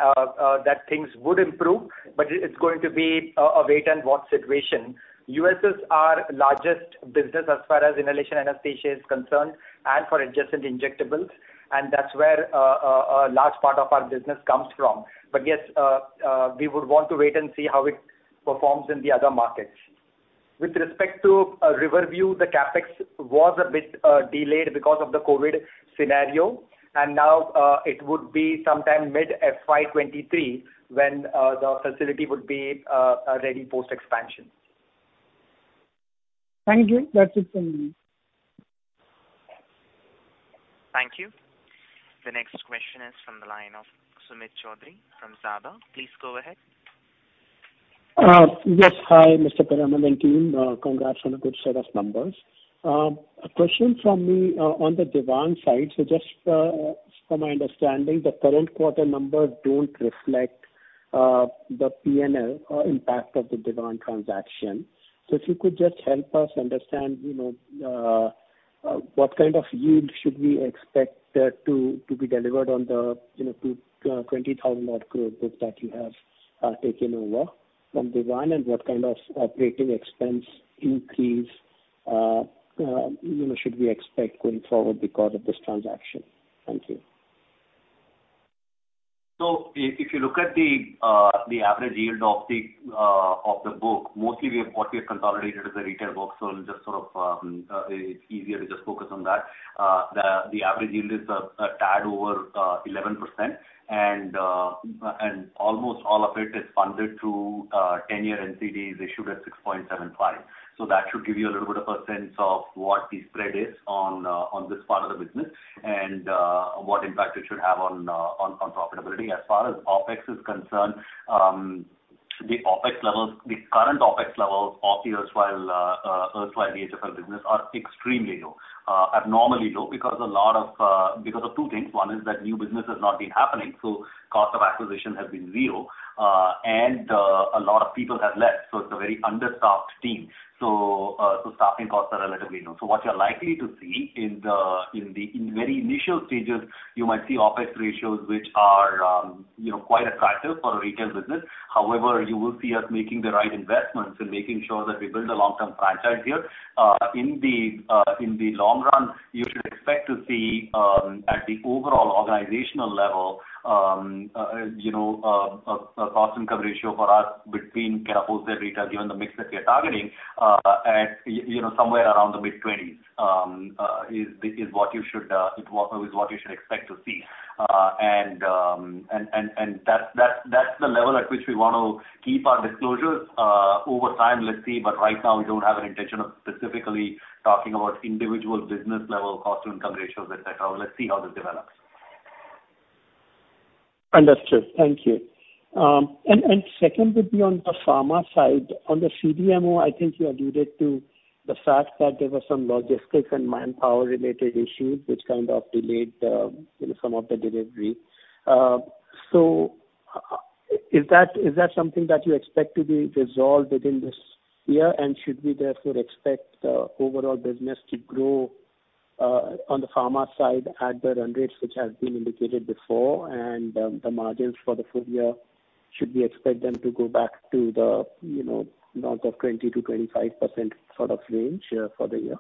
that things would improve, it's going to be a wait and watch situation. The U.S. is our largest business as far as inhalation anesthesia is concerned and for adjacent injectables, and that's where a large part of our business comes from. Yes, we would want to wait and see how it performs in the other markets. With respect to Riverview, the CapEx was a bit delayed because of the COVID scenario, and now it would be sometime mid FY 2023 when the facility would be ready post-expansion. Thank you. That's it from me. Thank you. The next question is from the line of Sumit Choudhary from Zaaba. Please go ahead. Yes. Hi, Mr. Piramal and team. Congrats on a good set of numbers. A question from me on the Dewan side. Just from my understanding, the current quarter numbers don't reflect the P&L impact of the Dewan transaction. If you could just help us understand, you know, what kind of yield should we expect to be delivered on the, you know, 20,000-odd crore books that you have taken over from Dewan, and what kind of operating expense increase, you know, should we expect going forward because of this transaction? Thank you. If you look at the average yield of the book, mostly what we have consolidated is the retail book. Just sort of, it's easier to just focus on that. The average yield is a tad over 11%. Almost all of it is funded through ten-year NCDs issued at 6.75%. That should give you a little bit of a sense of what the spread is on this part of the business and what impact it should have on profitability. As far as OpEx is concerned, the current OpEx levels of the erstwhile DHFL business are extremely low, abnormally low because of two things. One is that new business has not been happening, so cost of acquisition has been zero. A lot of people have left, so it's a very understaffed team. Staffing costs are relatively low. What you're likely to see in the in very initial stages, you might see OpEx ratios which are quite attractive for a retail business. However, you will see us making the right investments and making sure that we build a long-term franchise here. In the long run, you should expect to see at the overall organizational level a cost-income ratio for us between core wholesale retail, given the mix that we are targeting, at somewhere around the mid-20s, is what you should expect to see. And that's the level at which we want to keep our disclosures. Over time, let's see, but right now we don't have an intention of specifically talking about individual business level cost to income ratios, et cetera. Let's see how this develops. Understood. Thank you. Second would be on the pharma side. On the CDMO, I think you alluded to the fact that there were some logistics and manpower-related issues which kind of delayed you know, some of the delivery. So, is that something that you expect to be resolved within this year? And should we therefore expect the overall business to grow on the pharma side at the run rates which has been indicated before, and the margins for the full year, should we expect them to go back to the you know, north of 20%-25% sort of range for the year?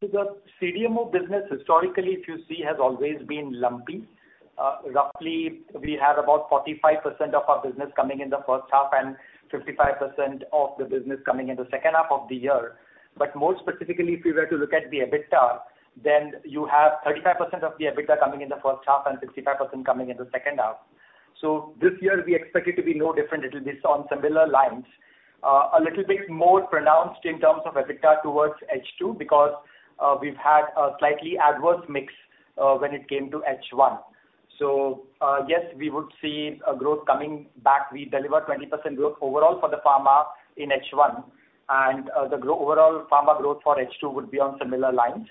The CDMO business historically, if you see, has always been lumpy. Roughly we have about 45% of our business coming in the H1 and 55% of the business coming in the H2 of the year. More specifically, if you were to look at the EBITDA, then you have 35% of the EBITDA coming in the H1 and 55% coming in the H2. This year we expect it to be no different. It'll be on similar lines. A little bit more pronounced in terms of EBITDA towards H2 because we've had a slightly adverse mix when it came to H1. Yes, we would see a growth coming back. We delivered 20% growth overall for the pharma in H1, and overall pharma growth for H2 would be on similar lines.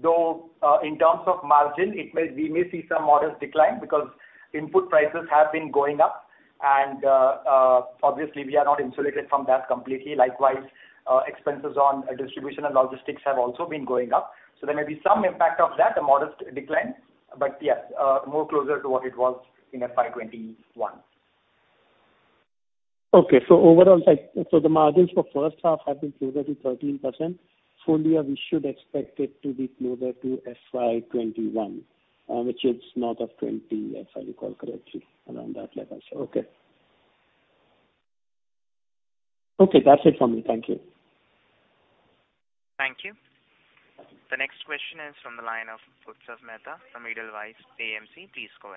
Though, in terms of margin, we may see some modest decline because input prices have been going up and, obviously we are not insulated from that completely. Likewise, expenses on distribution and logistics have also been going up. There may be some impact of that, a modest decline, but yes, more closer to what it was in FY 2021. Okay. Overall, like, the margins for H1 have been closer to 13%. Full year we should expect it to be closer to FY 2021, which is north of 20%, if I recall correctly, around that level. Okay, that's it from me. Thank you. Thank you. The next question is from the line of Utsav Mehta from Edelweiss AMC. Please go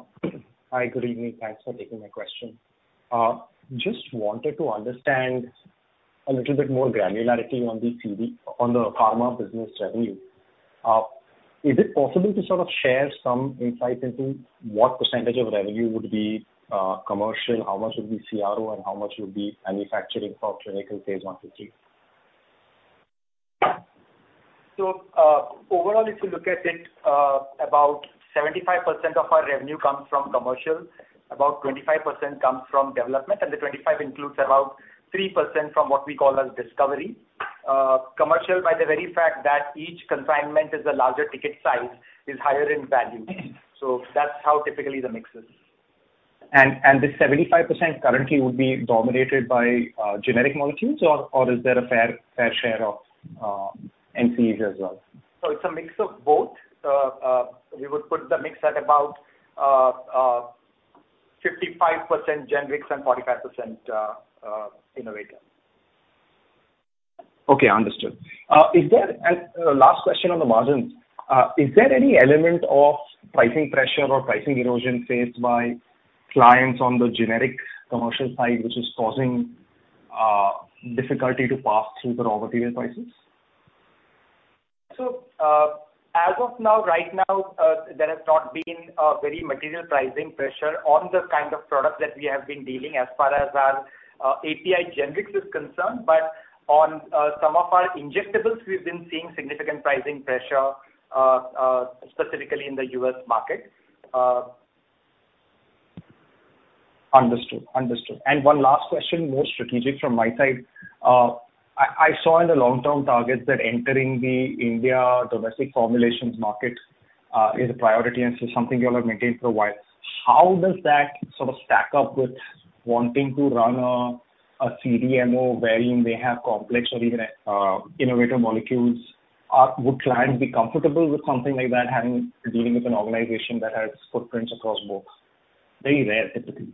ahead. Hi, good evening. Thanks for taking my question. Just wanted to understand a little bit more granularity on the CDMO on the pharma business revenue. Is it possible to sort of share some insight into what percentage of revenue would be commercial, how much would be CRO and how much would be manufacturing for clinical phase I to III? Overall, if you look at it, about 75% of our revenue comes from commercial, about 25% comes from development, and the 25% includes about 3% from what we call as discovery. Commercial, by the very fact that each consignment is a larger ticket size, is higher in value. That's how typically the mix is. This 75% currently would be dominated by generic molecules, or is there a fair share of NCEs as well? It's a mix of both. We would put the mix at about 55% generics and 45% innovator. Okay, understood. Last question on the margins. Is there any element of pricing pressure or pricing erosion faced by clients on the generic commercial side which is causing difficulty to pass through the raw material prices? As of now, right now, there has not been a very material pricing pressure on the kind of products that we have been dealing as far as our API generics is concerned. But on some of our injectables we've been seeing significant pricing pressure, specifically in the U.S. market. Understood. One last question, more strategic from my side. I saw in the long-term targets that entering the India domestic formulations market is a priority and this is something you all have maintained for a while. How does that sort of stack up with wanting to run a CDMO wherein they have complex or even innovative molecules? Would clients be comfortable with something like that, having dealing with an organization that has footprints across both? Very rare typically.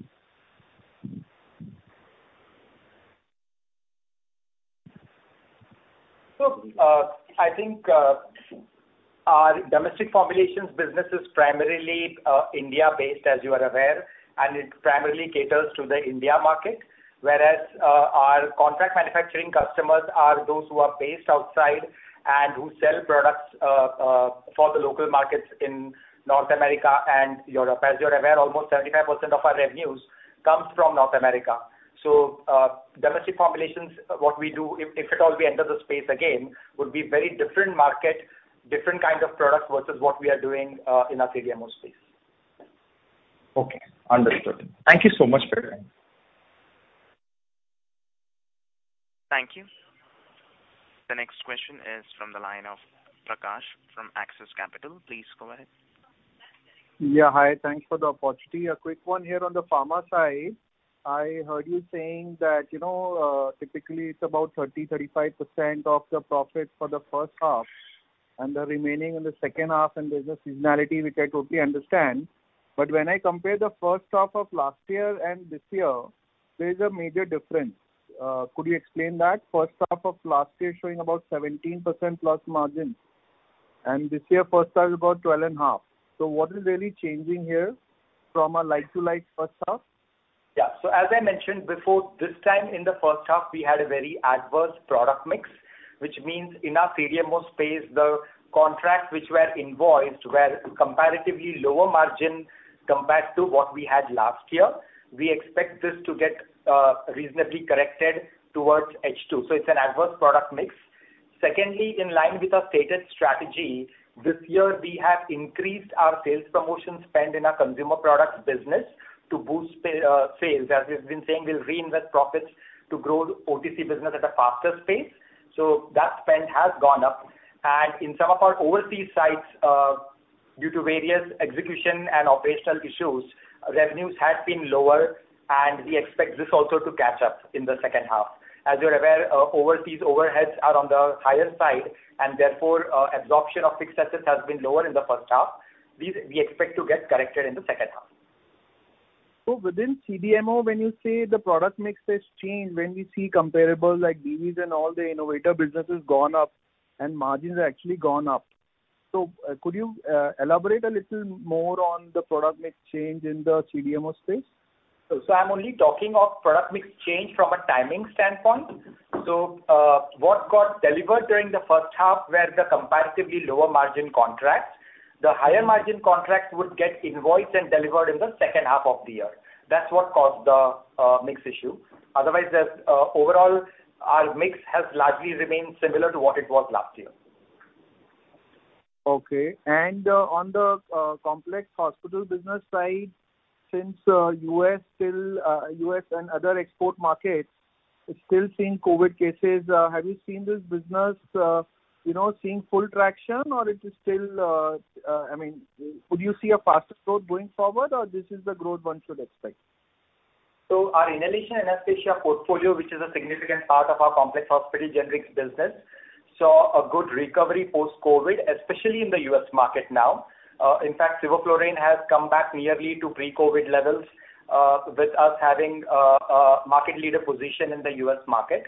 Our domestic formulations business is primarily India-based, as you are aware, and it primarily caters to the India market. Whereas our contract manufacturing customers are those who are based outside and who sell products for the local markets in North America and Europe. As you're aware, almost 75% of our revenues comes from North America. Domestic formulations, what we do, if at all we enter the space again, would be very different market, different kind of products versus what we are doing in our CDMO space. Okay. Understood. Thank you so much for your time. Thank you. The next question is from the line of Prakash from Axis Capital. Please go ahead. Yeah. Hi. Thanks for the opportunity. A quick one here on the pharma side. I heard you saying that, you know, typically it's about 30%-35% of the profit for the H1 and the remaining in the H2, and there's a seasonality, which I totally understand. When I compare the H1 of last year and this year, there's a major difference. Could you explain that? H1 of last year showing about 17% plus margin, and this year H1 is about 12.5%. So what is really changing here from a like-for-like H1? Yeah. As I mentioned before, this time in the H1 we had a very adverse product mix, which means in our CDMO space, the contracts which were invoiced were comparatively lower margin compared to what we had last year. We expect this to get reasonably corrected towards H2. It's an adverse product mix. Secondly, in line with our stated strategy, this year we have increased our sales promotion spend in our consumer products business to boost sales. As we've been saying, we'll reinvest profits to grow OTC business at a faster pace. That spend has gone up. In some of our overseas sites, due to various execution and operational issues, revenues have been lower, and we expect this also to catch up in the H2. As you're aware, overseas overheads are on the higher side, and therefore, absorption of fixed assets has been lower in the H1. These we expect to get corrected in the H2. Within CDMO, when you say the product mix has changed, when we see comparables like Divi's and all the innovator business has gone up and margins have actually gone up. Could you elaborate a little more on the product mix change in the CDMO space? I'm only talking of product mix change from a timing standpoint. What got delivered during the H1 were the comparatively lower margin contracts. The higher margin contracts would get invoiced and delivered in the H2 of the year. That's what caused the mix issue. Otherwise, the overall our mix has largely remained similar to what it was last year. Okay. On the complex hospital business side, since U.S. and other export markets are still seeing COVID cases, have you seen this business, you know, seeing full traction or it is still, I mean, could you see a faster growth going forward or this is the growth one should expect? Our inhalation anesthesia portfolio, which is a significant part of our complex hospital generics business, saw a good recovery post-COVID, especially in the U.S. market now. In fact, sevoflurane has come back nearly to pre-COVID levels, with us having a market leader position in the U.S. market.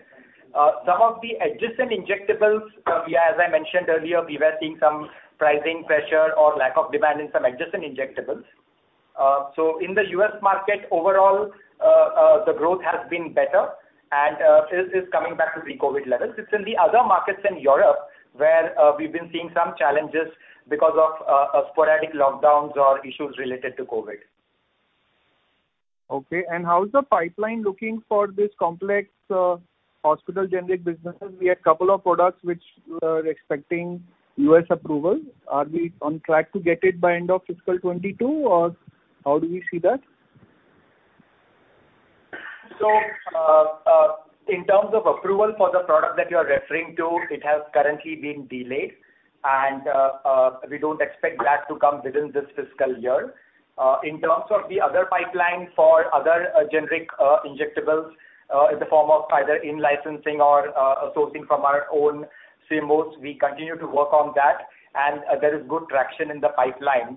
Some of the adjacent injectables, as I mentioned earlier, we were seeing some pricing pressure or lack of demand in some adjacent injectables. In the U.S. market overall, the growth has been better and sales is coming back to pre-COVID levels. It's in the other markets in Europe where we've been seeing some challenges because of sporadic lockdowns or issues related to COVID. Okay. How is the pipeline looking for this complex hospital generic businesses? We have couple of products which we are expecting U.S. approval. Are we on track to get it by end of FY 2022 or how do we see that? In terms of approval for the product that you are referring to, it has currently been delayed and we don't expect that to come within this fiscal year. In terms of the other pipeline for other generic injectables in the form of either in-licensing or sourcing from our own CMOs, we continue to work on that and there is good traction in the pipeline.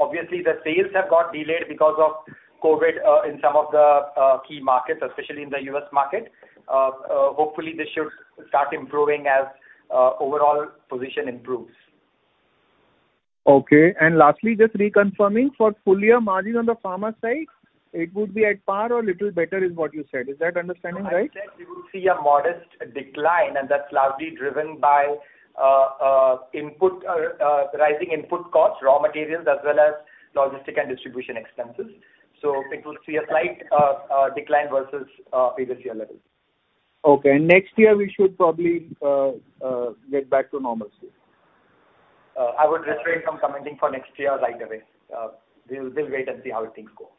Obviously the sales have got delayed because of COVID in some of the key markets, especially in the U.S. market. Hopefully this should start improving as overall position improves. Okay. Lastly, just reconfirming, for full year margin on the pharma side, it would be at par or little better is what you said. Is that understanding right? I said we will see a modest decline and that's largely driven by rising input costs, raw materials, as well as logistics and distribution expenses. It will see a slight decline versus previous year levels. Okay. Next year we should probably get back to normalcy. I would refrain from commenting for next year right away. We'll wait and see how things go.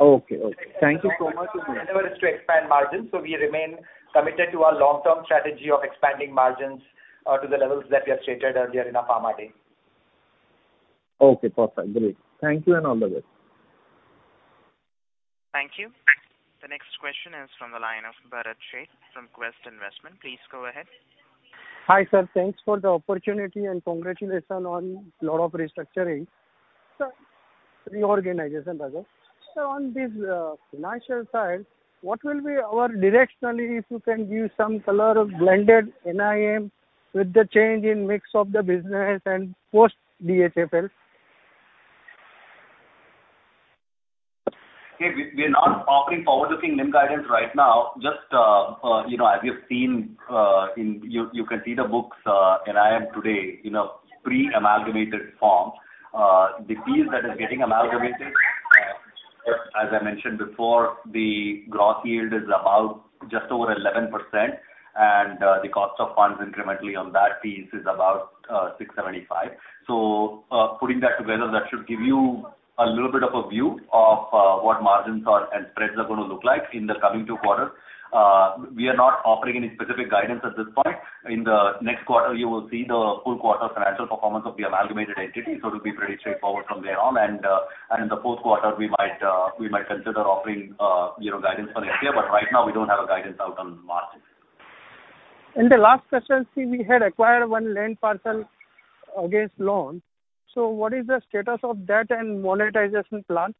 Okay. Okay. Thank you so much. To expand margins, so we remain committed to our long-term strategy of expanding margins to the levels that we have stated earlier in our Pharma Day. Okay. Perfect. Great. Thank you and all the best. Thank you. The next question is from the line of Bharat Sheth from Quest Investment. Please go ahead. Hi, sir. Thanks for the opportunity and congratulations on lot of restructuring. Sir, reorganization rather. Sir, on this financial side, what will be our directionally, if you can give some color of blended NIM with the change in mix of the business and post DHFL? Okay. We're not offering forward-looking NIM guidance right now. Just you know, as you've seen, you can see the books, NIM today in a pre-amalgamated form. The piece that is getting amalgamated, as I mentioned before, the gross yield is about just over 11% and, the cost of funds incrementally on that piece is about 6.75%. Putting that together that should give you, A little bit of a view of what margins are and spreads are going to look like in the coming two quarters. We are not offering any specific guidance at this point. In the next quarter, you will see the full quarter financial performance of the amalgamated entity, so it'll be pretty straightforward from there on. In the fourth quarter, we might consider offering you know, guidance for next year. Right now we don't have a guidance out on margins. The last question, see, we had acquired one land parcel against loan. What is the status of that and monetization plan?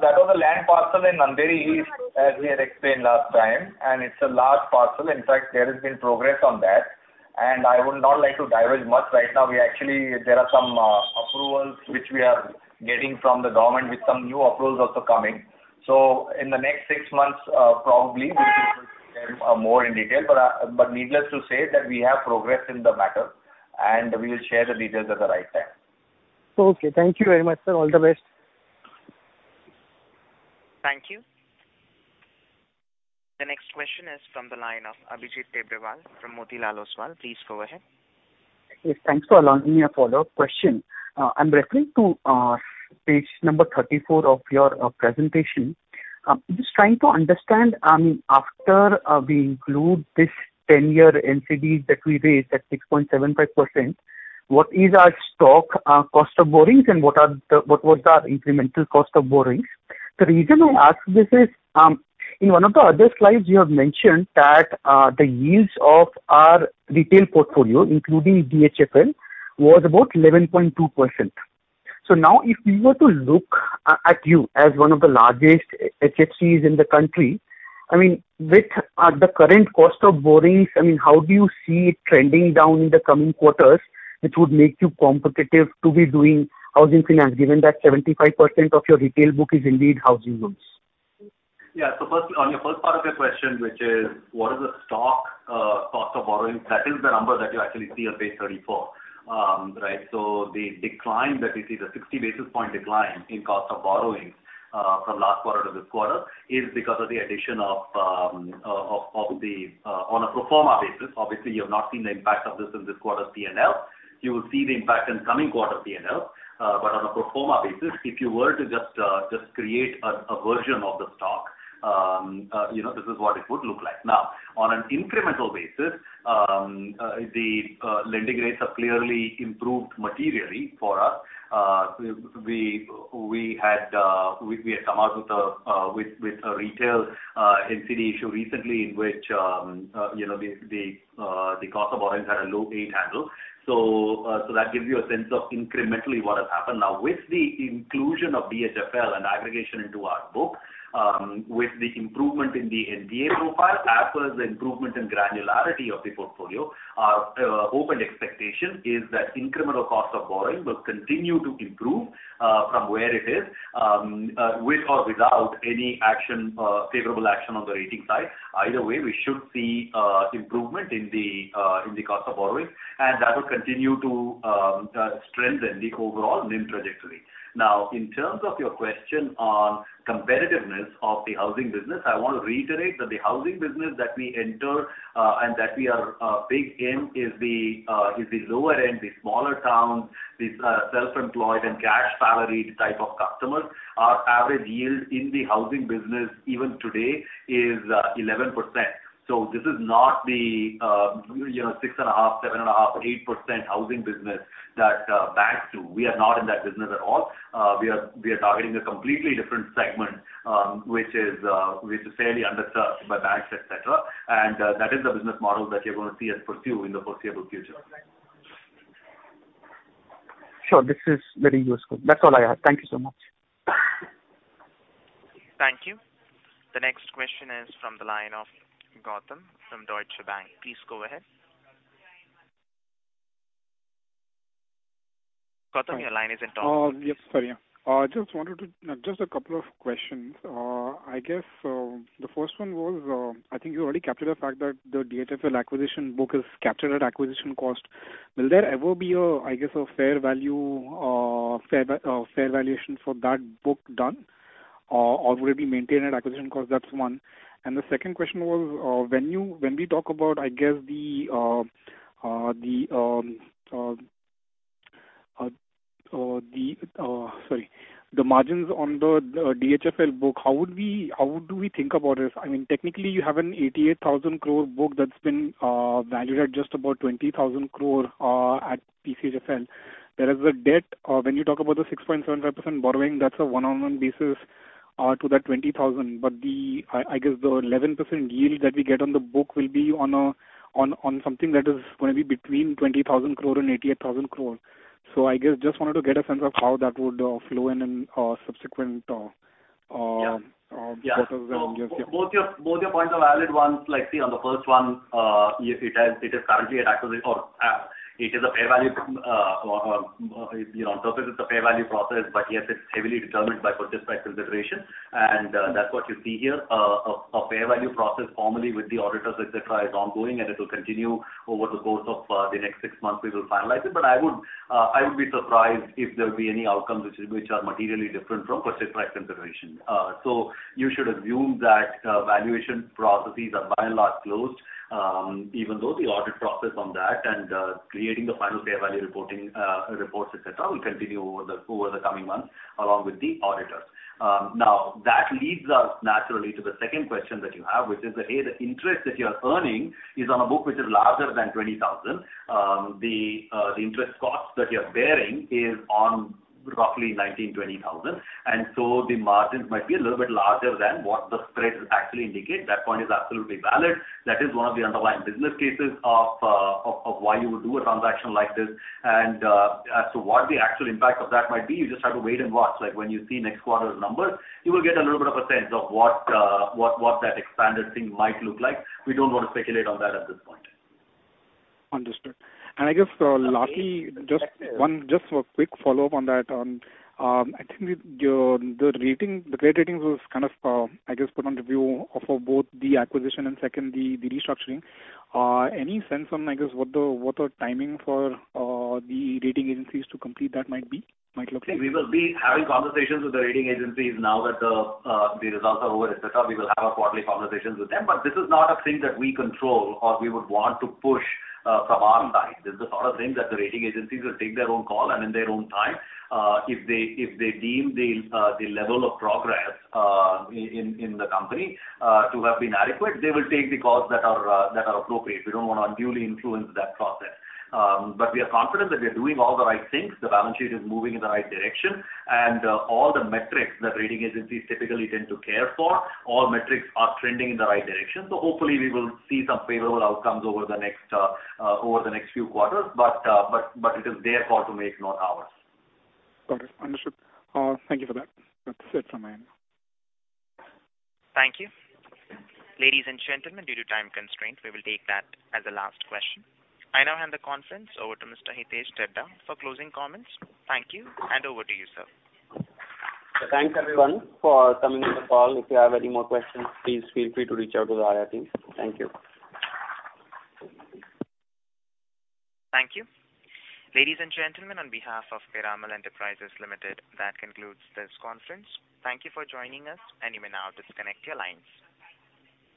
That was a land parcel in Andheri East, as we had explained last time, and it's a large parcel. In fact, there has been progress on that, and I would not like to diverge much. Right now, there are some approvals which we are getting from the government with some new approvals also coming. In the next six months, probably we'll be able to share more in detail. Needless to say that we have progressed in the matter, and we will share the details at the right time. Okay. Thank you very much, sir. All the best. Thank you. The next question is from the line of Abhijit Tibrewal from Motilal Oswal. Please go ahead. Yes, thanks for allowing me a follow-up question. I'm referring to page number 34 of your presentation. Just trying to understand, after we include this 10-year NCD that we raised at 6.75%, what is our overall cost of borrowings, and what was our incremental cost of borrowings? The reason I ask this is, in one of the other slides you have mentioned that the yields of our retail portfolio, including DHFL, was about 11.2%. Now if we were to look at you as one of the largest HFCs in the country, I mean, with the current cost of borrowings, I mean, how do you see it trending down in the coming quarters, which would make you competitive to be doing housing finance, given that 75% of your retail book is indeed housing loans? Yeah. First, on your first part of your question, which is what is the cost of borrowing? That is the number that you actually see on page 34. Right. The decline that we see, the 60 basis points decline in cost of borrowings from last quarter to this quarter is because of the addition on a pro forma basis. Obviously, you have not seen the impact of this in this quarter's P&L. You will see the impact in coming quarter P&L. On a pro forma basis, if you were to just create a version of the books, you know, this is what it would look like. Now, on an incremental basis, the lending rates have clearly improved materially for us. We had come out with a retail NCD issue recently in which you know the cost of borrowings had a low eight handle. That gives you a sense of incrementally what has happened. Now, with the inclusion of DHFL and aggregation into our book, with the improvement in the NPA profile, as well as the improvement in granularity of the portfolio, our hope and expectation is that incremental cost of borrowing will continue to improve from where it is, with or without any action, favorable action on the rating side. Either way, we should see improvement in the cost of borrowing, and that will continue to strengthen the overall NIM trajectory. Now, in terms of your question on competitiveness of the housing business, I want to reiterate that the housing business that we enter and that we are big in is the lower end, the smaller towns, these self-employed and cash salaried type of customers. Our average yield in the housing business, even today, is 11%. This is not the you know, 6.5%, 7.5%, 8% housing business that banks do. We are not in that business at all. We are targeting a completely different segment, which is fairly underserved by banks, et cetera. That is the business model that you're going to see us pursue in the foreseeable future. Sure. This is very useful. That's all I have. Thank you so much. Thank you. The next question is from the line of Gautam from Deutsche Bank. Please go ahead. Gautam, your line is open. Yes. I just wanted to ask just a couple of questions. I guess the first one was, I think you already captured the fact that the DHFL acquisition book is captured at acquisition cost. Will there ever be a, I guess, a fair value, fair valuation for that book done or will it be maintained at acquisition cost? That's one. The second question was, when you, when we talk about, I guess the margins on the DHFL book, how would we, how do we think about this? I mean, technically you have an 88,000 crore book that's been valued at just about 20,000 crore at PCHFL. There is a debt when you talk about the 6.75% borrowing, that's a 101 basis to that 20,000 crore. I guess the 11% yield that we get on the book will be on something that is going to be between 20,000 crore and 88,000 crore. I guess just wanted to get a sense of how that would flow in subsequent. Yeah. Quarters and years. Yeah. Both your points are valid ones. Like, see, on the first one, yes, it is currently at acquisition. It is a fair value from, you know, on purpose it's a fair value process, but yes, it's heavily determined by purchase price considerations, and that's what you see here. A fair value process formally with the auditors, et cetera, is ongoing, and it will continue over the course of the next six months. We will finalize it. I would be surprised if there will be any outcomes which are materially different from purchase price considerations. You should assume that valuation processes are by and large closed, even though the audit process on that and creating the final fair value reporting reports, et cetera, will continue over the coming months along with the auditors. Now, that leads us naturally to the second question that you have, which is that A, the interest that you are earning is on a book which is larger than 20,000. The interest cost that you are bearing is on roughly 19,000-20,000, and so the margins might be a little bit larger than what the spreads actually indicate. That point is absolutely valid. That is one of the underlying business cases of why you would do a transaction like this. As to what the actual impact of that might be, you just have to wait and watch. Like, when you see next quarter's numbers, you will get a little bit of a sense of what that expanded thing might look like. We don't want to speculate on that at this point. Understood. I guess lastly just a quick follow-up on that. I think the rating, the credit ratings was kind of, I guess, put on review of both the acquisition and second the restructuring. Any sense on, I guess, what the timing for the rating agencies to complete that might look like? We will be having conversations with the rating agencies now that the results are over, et cetera. We will have our quarterly conversations with them. This is not a thing that we control or we would want to push some timelines. This is the sort of thing that the rating agencies will take their own call and in their own time. If they deem the level of progress in the company to have been adequate, they will take the calls that are appropriate. We don't want to unduly influence that process. We are confident that we are doing all the right things. The balance sheet is moving in the right direction, and all the metrics that rating agencies typically tend to care for, all metrics are trending in the right direction. Hopefully we will see some favorable outcomes over the next few quarters. It is their call to make, not ours. Got it. Understood. Thank you for that. That's it from my end. Thank you. Ladies and gentlemen, due to time constraints, we will take that as the last question. I now hand the conference over to Mr. Hitesh Dhaddha for closing comments. Thank you, and over to you, sir. Thanks, everyone, for coming on the call. If you have any more questions, please feel free to reach out to the IR team. Thank you. Thank you. Ladies and gentlemen, on behalf of Piramal Enterprises Limited, that concludes this conference. Thank you for joining us, and you may now disconnect your lines.